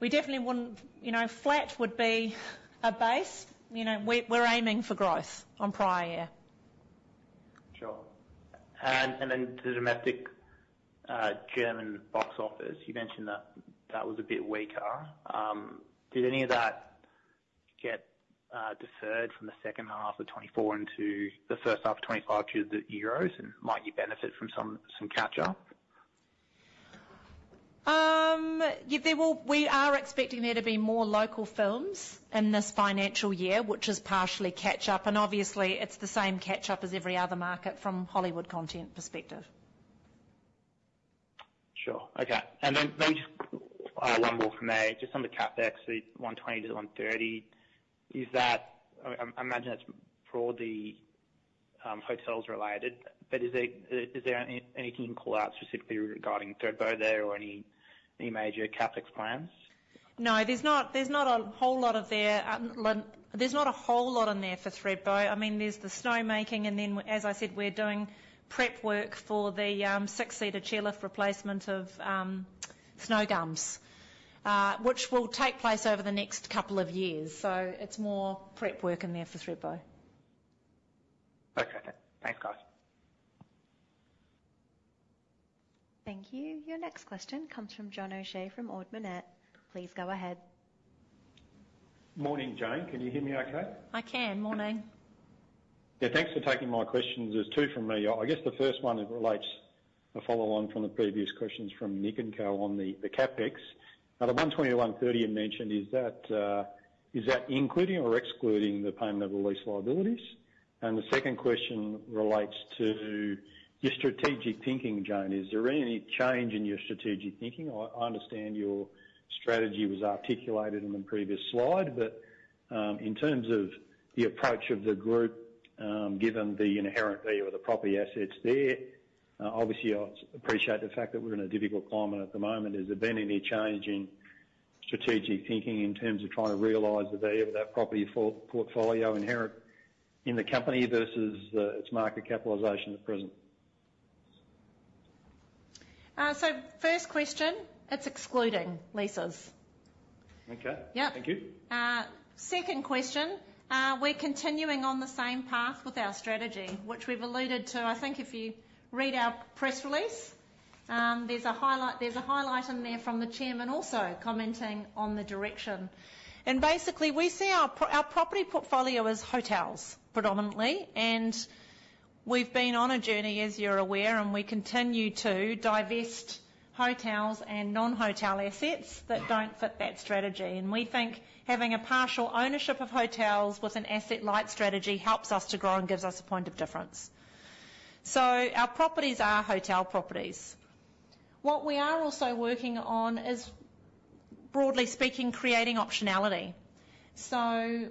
we definitely wouldn't, you know, flat would be a base. You know, we're aiming for growth on prior year. Sure. And then the domestic German box office, you mentioned that that was a bit weaker. Did any of that get deferred from the second half of 2024 into the first half of 2025 due to the Euros? And might you benefit from some catch-up? Yeah, we are expecting there to be more local films in this financial year, which is partially catch-up, and obviously, it's the same catch-up as every other market from Hollywood content perspective. Sure. Okay, and then just one more from me. Just on the CapEx, the 120 to the 130, is that... I imagine that's broadly hotels related, but is there anything you can call out specifically regarding Thredbo there or any major CapEx plans? No, there's not a whole lot there. There's not a whole lot in there for Thredbo. I mean, there's the snowmaking, and then as I said, we're doing prep work for the six-seater chairlift replacement of Snowgums, which will take place over the next couple of years. So it's more prep work in there for Thredbo. Okay. Thanks, guys. Thank you. Your next question comes from John O'Shea from Ord Minnett. Please go ahead. Morning, Jane. Can you hear me okay? I can. Morning. Yeah, thanks for taking my questions. There's two from me. I guess the first one, it relates a follow on from the previous questions from Nick and co. on the CapEx. Now, the 120-130 you mentioned, is that including or excluding the payment of the lease liabilities? And the second question relates to your strategic thinking, Jane. Is there any change in your strategic thinking? I understand your strategy was articulated in the previous slide, but in terms of the approach of the group, given the inherent value of the property assets there, obviously, I appreciate the fact that we're in a difficult climate at the moment. Has there been any change in strategic thinking in terms of trying to realize the value of that property portfolio inherent in the company versus its market capitalization at present? So first question, it's excluding leases. Okay. Yeah. Thank you. Second question, we're continuing on the same path with our strategy, which we've alluded to. I think if you read our press release, there's a highlight in there from the chairman also commenting on the direction. And basically, we see our property portfolio as hotels predominantly, and we've been on a journey, as you're aware, and we continue to divest hotels and non-hotel assets that don't fit that strategy. And we think having a partial ownership of hotels with an asset-light strategy helps us to grow and gives us a point of difference. So our properties are hotel properties. What we are also working on is, broadly speaking, creating optionality.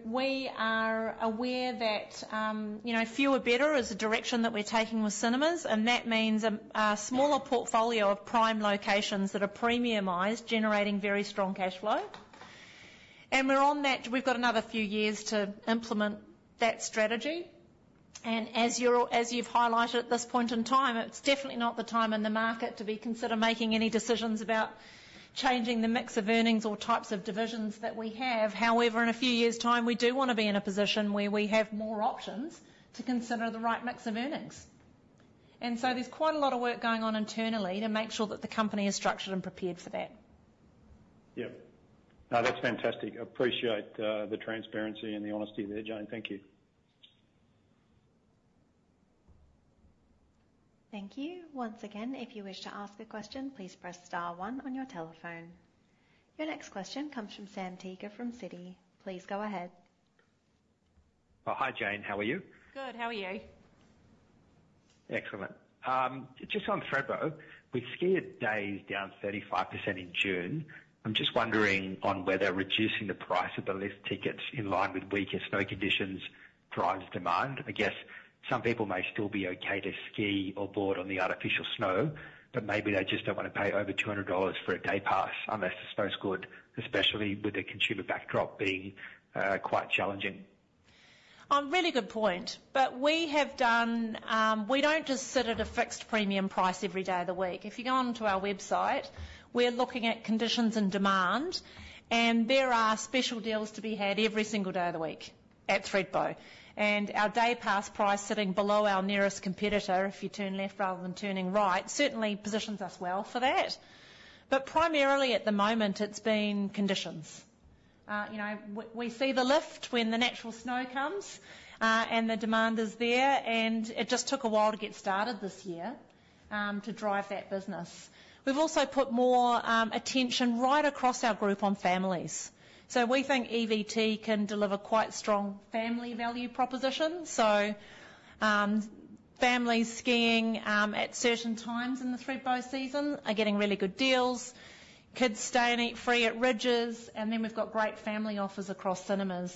We are aware that, you know, fewer better is the direction that we're taking with cinemas, and that means a smaller portfolio of prime locations that are premiumized, generating very strong cash flow. We're on that. We've got another few years to implement that strategy. As you're, as you've highlighted, at this point in time, it's definitely not the time in the market to be considering making any decisions about changing the mix of earnings or types of divisions that we have. However, in a few years' time, we do wanna be in a position where we have more options to consider the right mix of earnings. There's quite a lot of work going on internally to make sure that the company is structured and prepared for that. Yeah. No, that's fantastic. Appreciate the transparency and the honesty there, Jane. Thank you. Thank you. Once again, if you wish to ask a question, please press star one on your telephone. Your next question comes from Sam Teeger from Citi. Please go ahead. Oh, hi, Jane. How are you? Good. How are you? Excellent. Just on Thredbo, with skier days down 35% in June, I'm just wondering on whether reducing the price of the lift tickets in line with weaker snow conditions drives demand. I guess some people may still be okay to ski or board on the artificial snow, but maybe they just don't want to pay over 200 dollars for a day pass unless the snow's good, especially with the consumer backdrop being quite challenging. Really good point. But we have done. We don't just sit at a fixed premium price every day of the week. If you go onto our website, we're looking at conditions and demand, and there are special deals to be had every single day of the week at Thredbo. And our day pass price sitting below our nearest competitor, if you turn left rather than turning right, certainly positions us well for that. But primarily at the moment, it's been conditions. You know, we see the lift when the natural snow comes, and the demand is there, and it just took a while to get started this year, to drive that business. We've also put more attention right across our group on families. So we think EVT can deliver quite strong family value propositions. Families skiing at certain times in the Thredbo season are getting really good deals. Kids stay and eat free at Rydges, and then we've got great family offers across cinemas.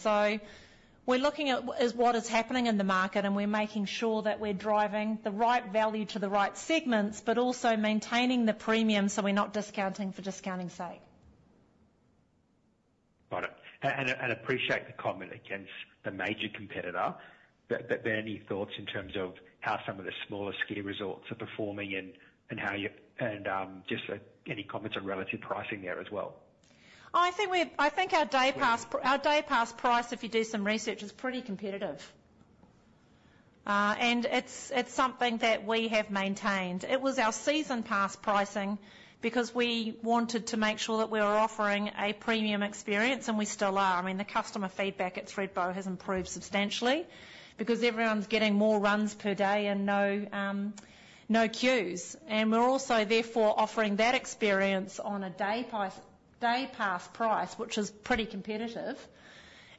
We're looking at what is happening in the market, and we're making sure that we're driving the right value to the right segments, but also maintaining the premium so we're not discounting for discounting's sake. Got it. And appreciate the comment against the major competitor. But are there any thoughts in terms of how some of the smaller ski resorts are performing and how you, and just any comments on relative pricing there as well? I think our day pass, our day pass price, if you do some research, is pretty competitive. And it's, it's something that we have maintained. It was our season pass pricing, because we wanted to make sure that we were offering a premium experience, and we still are. I mean, the customer feedback at Thredbo has improved substantially because everyone's getting more runs per day and no queues. And we're also therefore offering that experience on a day pass price, which is pretty competitive.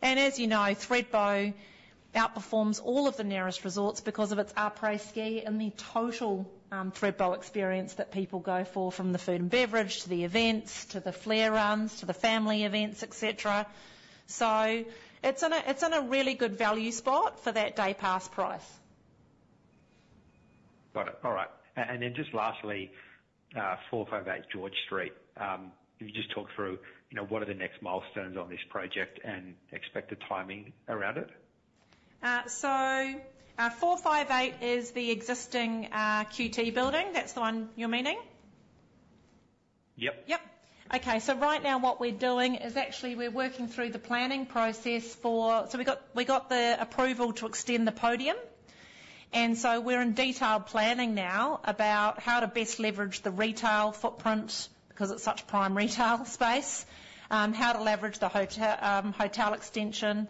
And as you know, Thredbo outperforms all of the nearest resorts because of its après-ski and the total Thredbo experience that people go for, from the food and beverage to the events, to the Flare Runs, to the family events, et cetera. It's in a really good value spot for that day pass price. Got it. All right. And then just lastly, 458 George Street. Can you just talk through, you know, what are the next milestones on this project and expected timing around it? So, 458 is the existing QT building. That's the one you're meaning? Yep. Yep. Okay. So right now what we're doing is actually we're working through the planning process for. So we got the approval to extend the podium, and so we're in detailed planning now about how to best leverage the retail footprint, because it's such prime retail space, how to leverage the hotel extension.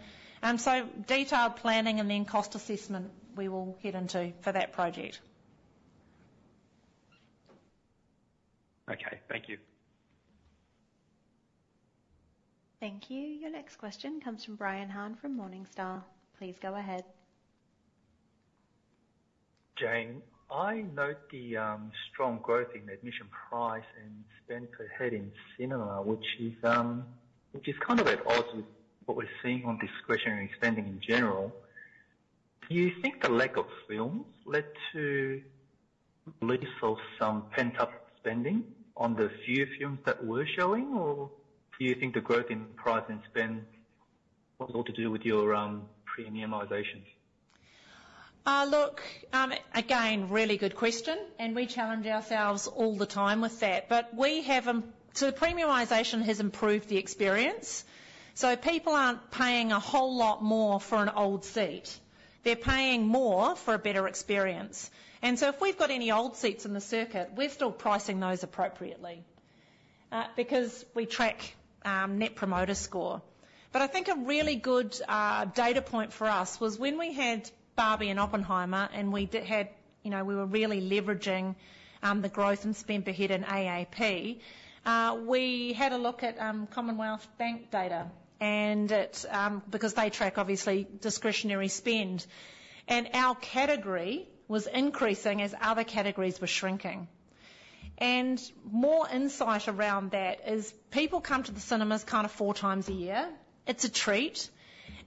So detailed planning and then cost assessment we will get into for that project. Okay, thank you. Thank you. Your next question comes from Brian Han from Morningstar. Please go ahead. Jane, I note the strong growth in admission price and spend per head in cinema, which is kind of at odds with what we're seeing on discretionary spending in general. Do you think the lack of films led to release of some pent-up spending on the few films that were showing? Or do you think the growth in price and spend was all to do with your premiumization? Look, again, really good question, and we challenge ourselves all the time with that. But we have so premiumization has improved the experience, so people aren't paying a whole lot more for an old seat. They're paying more for a better experience. And so if we've got any old seats in the circuit, we're still pricing those appropriately because we track Net Promoter Score. But I think a really good data point for us was when we had Barbie and Oppenheimer, and we had, you know, we were really leveraging the growth in spend per head in AAP. We had a look at Commonwealth Bank data, and it because they track obviously discretionary spend, and our category was increasing as other categories were shrinking. More insight around that is people come to the cinemas kind of four times a year. It's a treat,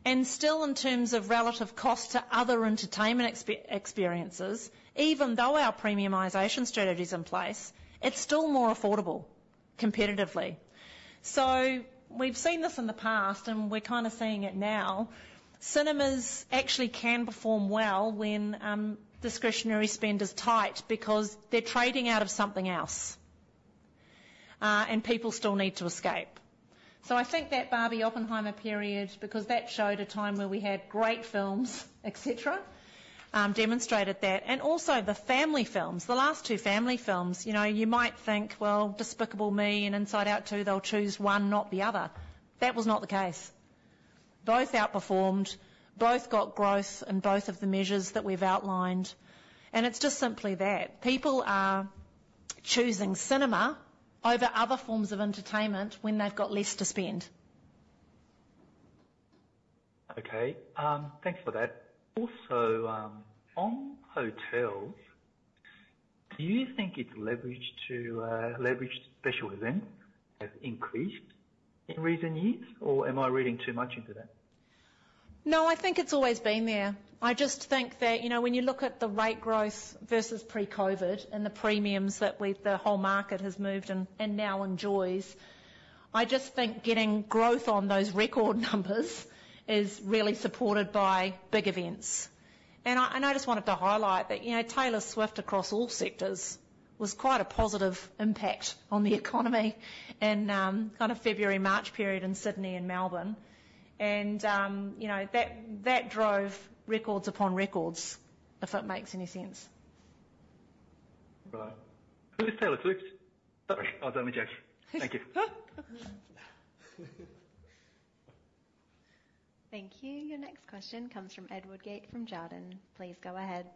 and still in terms of relative cost to other entertainment experiences, even though our premiumization strategy is in place, it's still more affordable competitively. So we've seen this in the past, and we're kind of seeing it now. Cinemas actually can perform well when discretionary spend is tight because they're trading out of something else, and people still need to escape. So I think that Barbie-Oppenheimer period, because that showed a time where we had great films, et cetera, demonstrated that and also the family films, the last two family films. You know, you might think, well, Despicable Me and Inside Out 2, they'll choose one, not the other. That was not the case. Both outperformed, both got growth in both of the measures that we've outlined, and it's just simply that. People are choosing cinema over other forms of entertainment when they've got less to spend. Okay. Thanks for that. Also, on hotels, do you think it's leverage to leveraged special events have increased in recent years, or am I reading too much into that? No, I think it's always been there. I just think that, you know, when you look at the rate growth versus pre-COVID and the premiums that we've, the whole market has moved and, and now enjoys, I just think getting growth on those record numbers is really supported by big events. And I, and I just wanted to highlight that, you know, Taylor Swift, across all sectors, was quite a positive impact on the economy in, kind of February, March period in Sydney and Melbourne. And, you know, that, that drove records upon records, if that makes any sense. Right. Who is Taylor Swift? Oh, only jokes. Thank you. Thank you. Your next question comes from Ed Woodgate from Jarden. Please go ahead.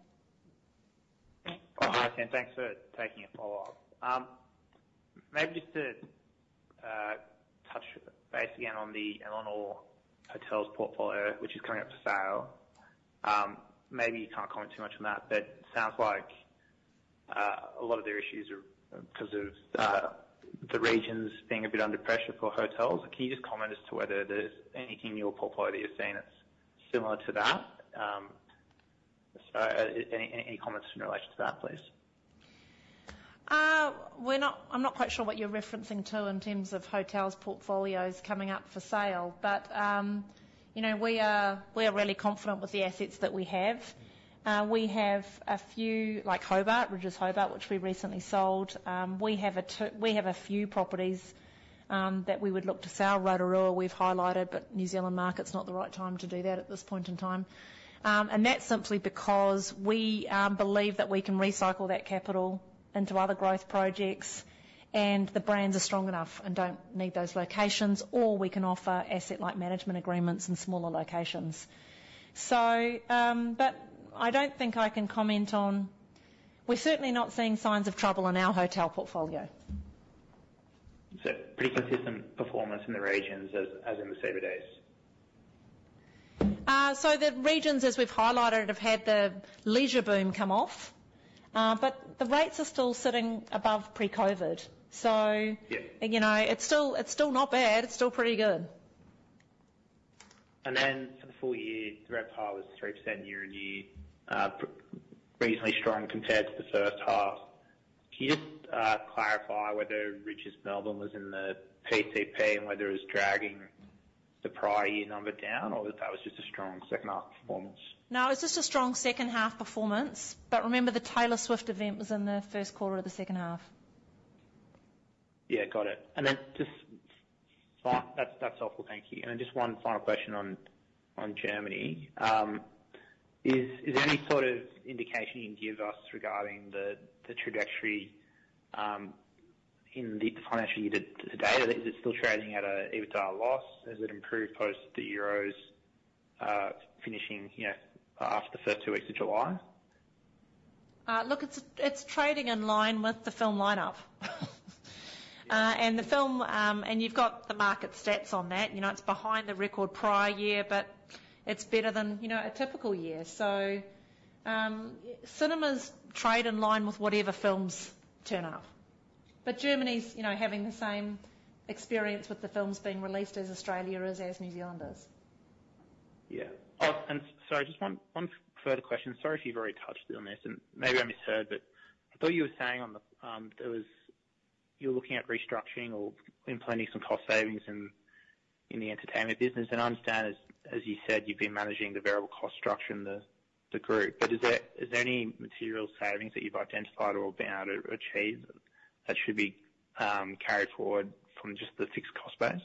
Hi, again, thanks for taking a follow-up. Maybe just to touch base again on the Elanor Hotels portfolio, which is coming up for sale. Maybe you can't comment too much on that, but it sounds like a lot of their issues are because of the regions being a bit under pressure for hotels. Can you just comment as to whether there's anything in your portfolio you're seeing that's similar to that? Any comments in relation to that, please? I'm not quite sure what you're referencing to in terms of hotels portfolios coming up for sale, but, you know, we are, we are really confident with the assets that we have. We have a few, like Hobart, Rydges Hobart, which we recently sold. We have a few properties that we would look to sell. Rotorua, we've highlighted, but New Zealand market's not the right time to do that at this point in time. And that's simply because we believe that we can recycle that capital into other growth projects, and the brands are strong enough and don't need those locations, or we can offer asset-light management agreements in smaller locations. But I don't think I can comment on... We're certainly not seeing signs of trouble in our hotel portfolio. So pretty consistent performance in the regions as in the CBDs? So the regions, as we've highlighted, have had the leisure boom come off, but the rates are still sitting above pre-COVID. So- Yeah. You know, it's still not bad. It's still pretty good. Then for the full year, the RevPAR was 3% year-on-year, reasonably strong compared to the first half. Can you just clarify whether Rydges Melbourne was in the PCP and whether it was dragging the prior year number down, or if that was just a strong second half performance? No, it's just a strong second half performance, but remember, the Taylor Swift event was in the first quarter of the second half. Yeah, got it. And then just fine, that's all for thank you. And then just one final question on Germany. Is there any sort of indication you can give us regarding the trajectory in the financial year to date? Is it still trading at a EBITDA loss? Has it improved post the Euros finishing, you know, after the first two weeks of July? Look, it's trading in line with the film lineup and the film, and you've got the market stats on that. You know, it's behind the record prior year, but it's better than you know, a typical year, so cinemas trade in line with whatever films turn up. But Germany's you know, having the same experience with the films being released as Australia is, as New Zealand is. Yeah. And sorry, just one further question. Sorry if you've already touched on this, and maybe I misheard, but I thought you were saying you were looking at restructuring or implementing some cost savings in the entertainment business. And I understand, as you said, you've been managing the variable cost structure in the group. But is there any material savings that you've identified or been able to achieve that should be carried forward from just the fixed cost base?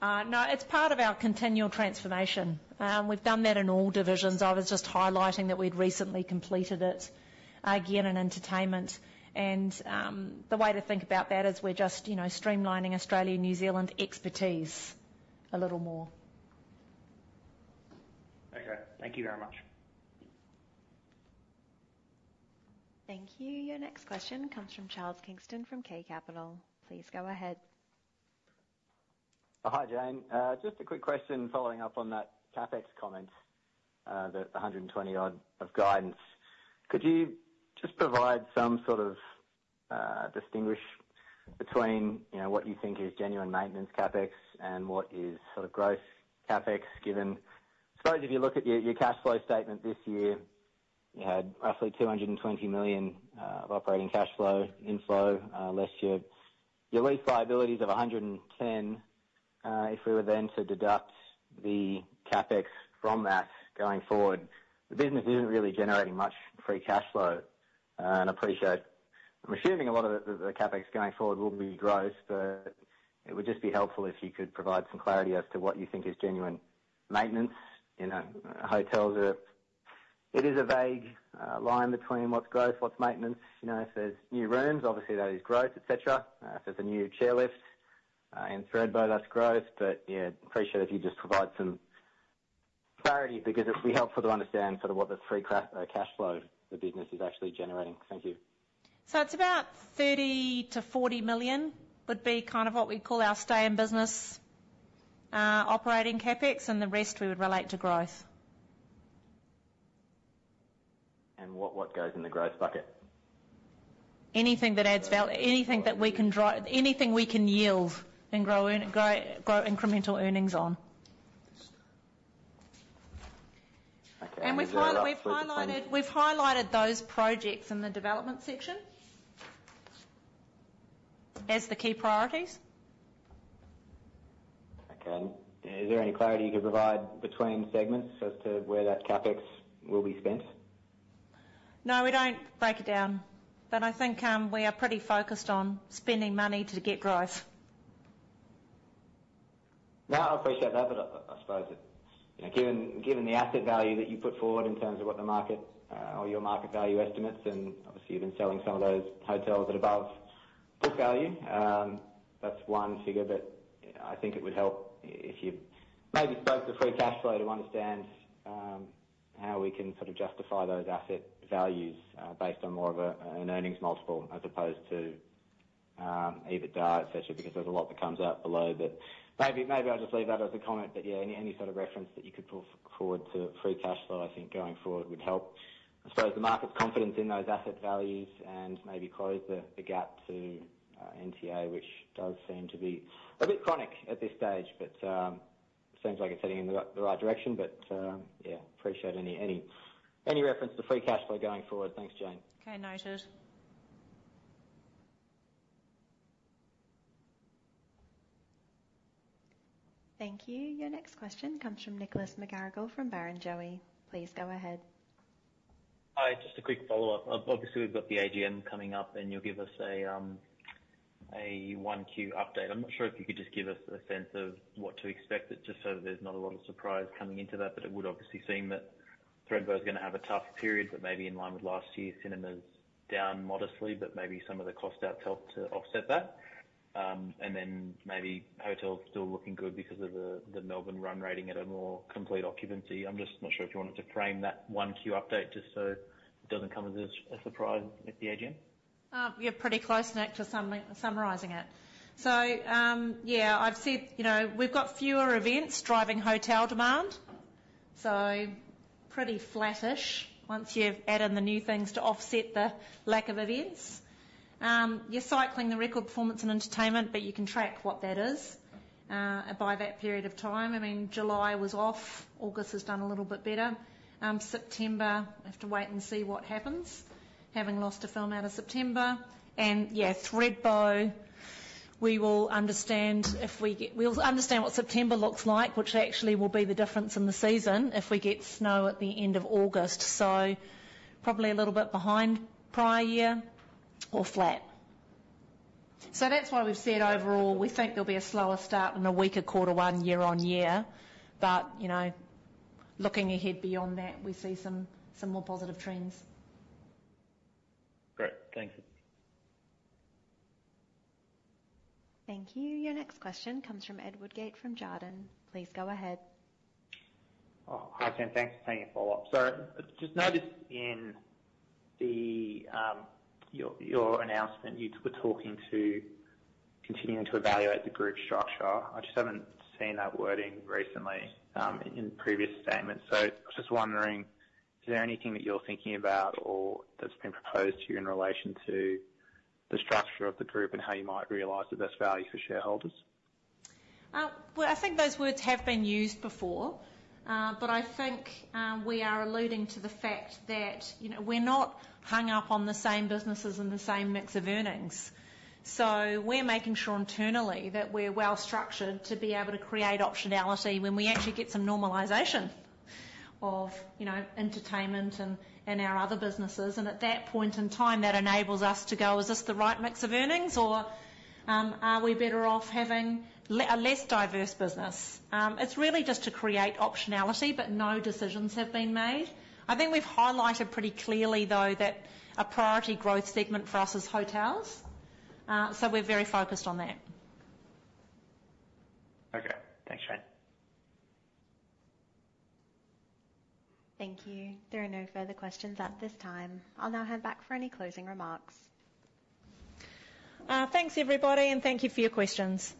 No, it's part of our continual transformation. We've done that in all divisions. I was just highlighting that we'd recently completed it again in entertainment. And the way to think about that is we're just, you know, streamlining Australia, New Zealand expertise a little more. Okay. Thank you very much. Thank you. Your next question comes from Charles Kingston from King Capital. Please go ahead. Hi, Jane. Just a quick question following up on that CapEx comment, the 120-odd of guidance. Could you just provide some sort of distinction between, you know, what you think is genuine maintenance CapEx and what is sort of growth CapEx given? Suppose if you look at your cash flow statement this year, you had roughly 220 million of operating cash flow inflow, less your lease liabilities of 110. If we were then to deduct the CapEx from that going forward, the business isn't really generating much free cash flow. And I appreciate, I'm assuming a lot of the CapEx going forward will be growth, but it would just be helpful if you could provide some clarity as to what you think is genuine maintenance. You know, hotels are, it is a vague line between what's growth, what's maintenance. You know, if there's new rooms, obviously, that is growth, et cetera. If there's a new chairlift in Thredbo, that's growth. But, yeah, appreciate if you just provide some clarity because it'd be helpful to understand sort of what the free cash flow the business is actually generating. Thank you. So it's about 30 million-40 million, would be kind of what we call our stay-in business, operating CapEx, and the rest we would relate to growth. What goes in the growth bucket? Anything that adds value, anything that we can yield and grow incremental earnings on. Okay. We've highlighted those projects in the development section as the key priorities. Okay. And is there any clarity you could provide between segments as to where that CapEx will be spent? No, we don't break it down, but I think, we are pretty focused on spending money to get growth. No, I appreciate that, but I suppose it, you know, given the asset value that you put forward in terms of what the market or your market value estimates, and obviously, you've been selling some of those hotels at above book value, that's one figure that I think it would help if you maybe spoke to free cash flow to understand how we can sort of justify those asset values based on more of a, an earnings multiple as opposed to EBITDA, etc., because there's a lot that comes out below that. Maybe I'll just leave that as a comment. But, yeah, any sort of reference that you could put forward to free cash flow, I think going forward, would help. I suppose the market's confidence in those asset values and maybe close the gap to NPAT, which does seem to be a bit chronic at this stage, but seems like it's heading in the right direction. But yeah, appreciate any reference to free cash flow going forward. Thanks, Jane. Okay, noted. Thank you. Your next question comes from Nicholas McGarrigle from Barrenjoey. Please go ahead. Hi, just a quick follow-up. Obviously, we've got the AGM coming up, and you'll give us a 1Q update. I'm not sure if you could just give us a sense of what to expect, just so there's not a lot of surprise coming into that. But it would obviously seem that Thredbo is gonna have a tough period, but maybe in line with last year, cinemas down modestly, but maybe some of the cost outs helped to offset that. And then maybe hotels still looking good because of the Melbourne run rating at a more complete occupancy. I'm just not sure if you wanted to frame that 1Q update just so it doesn't come as a surprise at the AGM. You're pretty close, Nick, to summarizing it. So, yeah, I've said, you know, we've got fewer events driving hotel demand, so pretty flattish once you've added the new things to offset the lack of events. You're cycling the record performance and entertainment, but you can track what that is by that period of time. I mean, July was off, August has done a little bit better. September, I have to wait and see what happens, having lost a film out of September. And, yeah, Thredbo, we will understand if we get. We'll understand what September looks like, which actually will be the difference in the season if we get snow at the end of August. So probably a little bit behind prior year or flat. So that's why we've said overall, we think there'll be a slower start and a weaker quarter one year-on-year. But, you know, looking ahead beyond that, we see some more positive trends. Great. Thank you. Thank you. Your next question comes from Ed Woodgate from Jarden. Please go ahead. Oh, hi, Jane. Thanks for taking a follow-up. So I just noticed in your announcement, you were talking to continuing to evaluate the group structure. I just haven't seen that wording recently in previous statements. So I was just wondering, is there anything that you're thinking about or that's been proposed to you in relation to the structure of the group and how you might realize the best value for shareholders? I think those words have been used before, but I think we are alluding to the fact that, you know, we're not hung up on the same businesses and the same mix of earnings. So we're making sure internally that we're well-structured to be able to create optionality when we actually get some normalization of, you know, entertainment and our other businesses. And at that point in time, that enables us to go, "Is this the right mix of earnings, or are we better off having a less diverse business?" It's really just to create optionality, but no decisions have been made. I think we've highlighted pretty clearly, though, that a priority growth segment for us is hotels, so we're very focused on that. Okay. Thanks, Jane. Thank you. There are no further questions at this time. I'll now hand back for any closing remarks. Thanks, everybody, and thank you for your questions.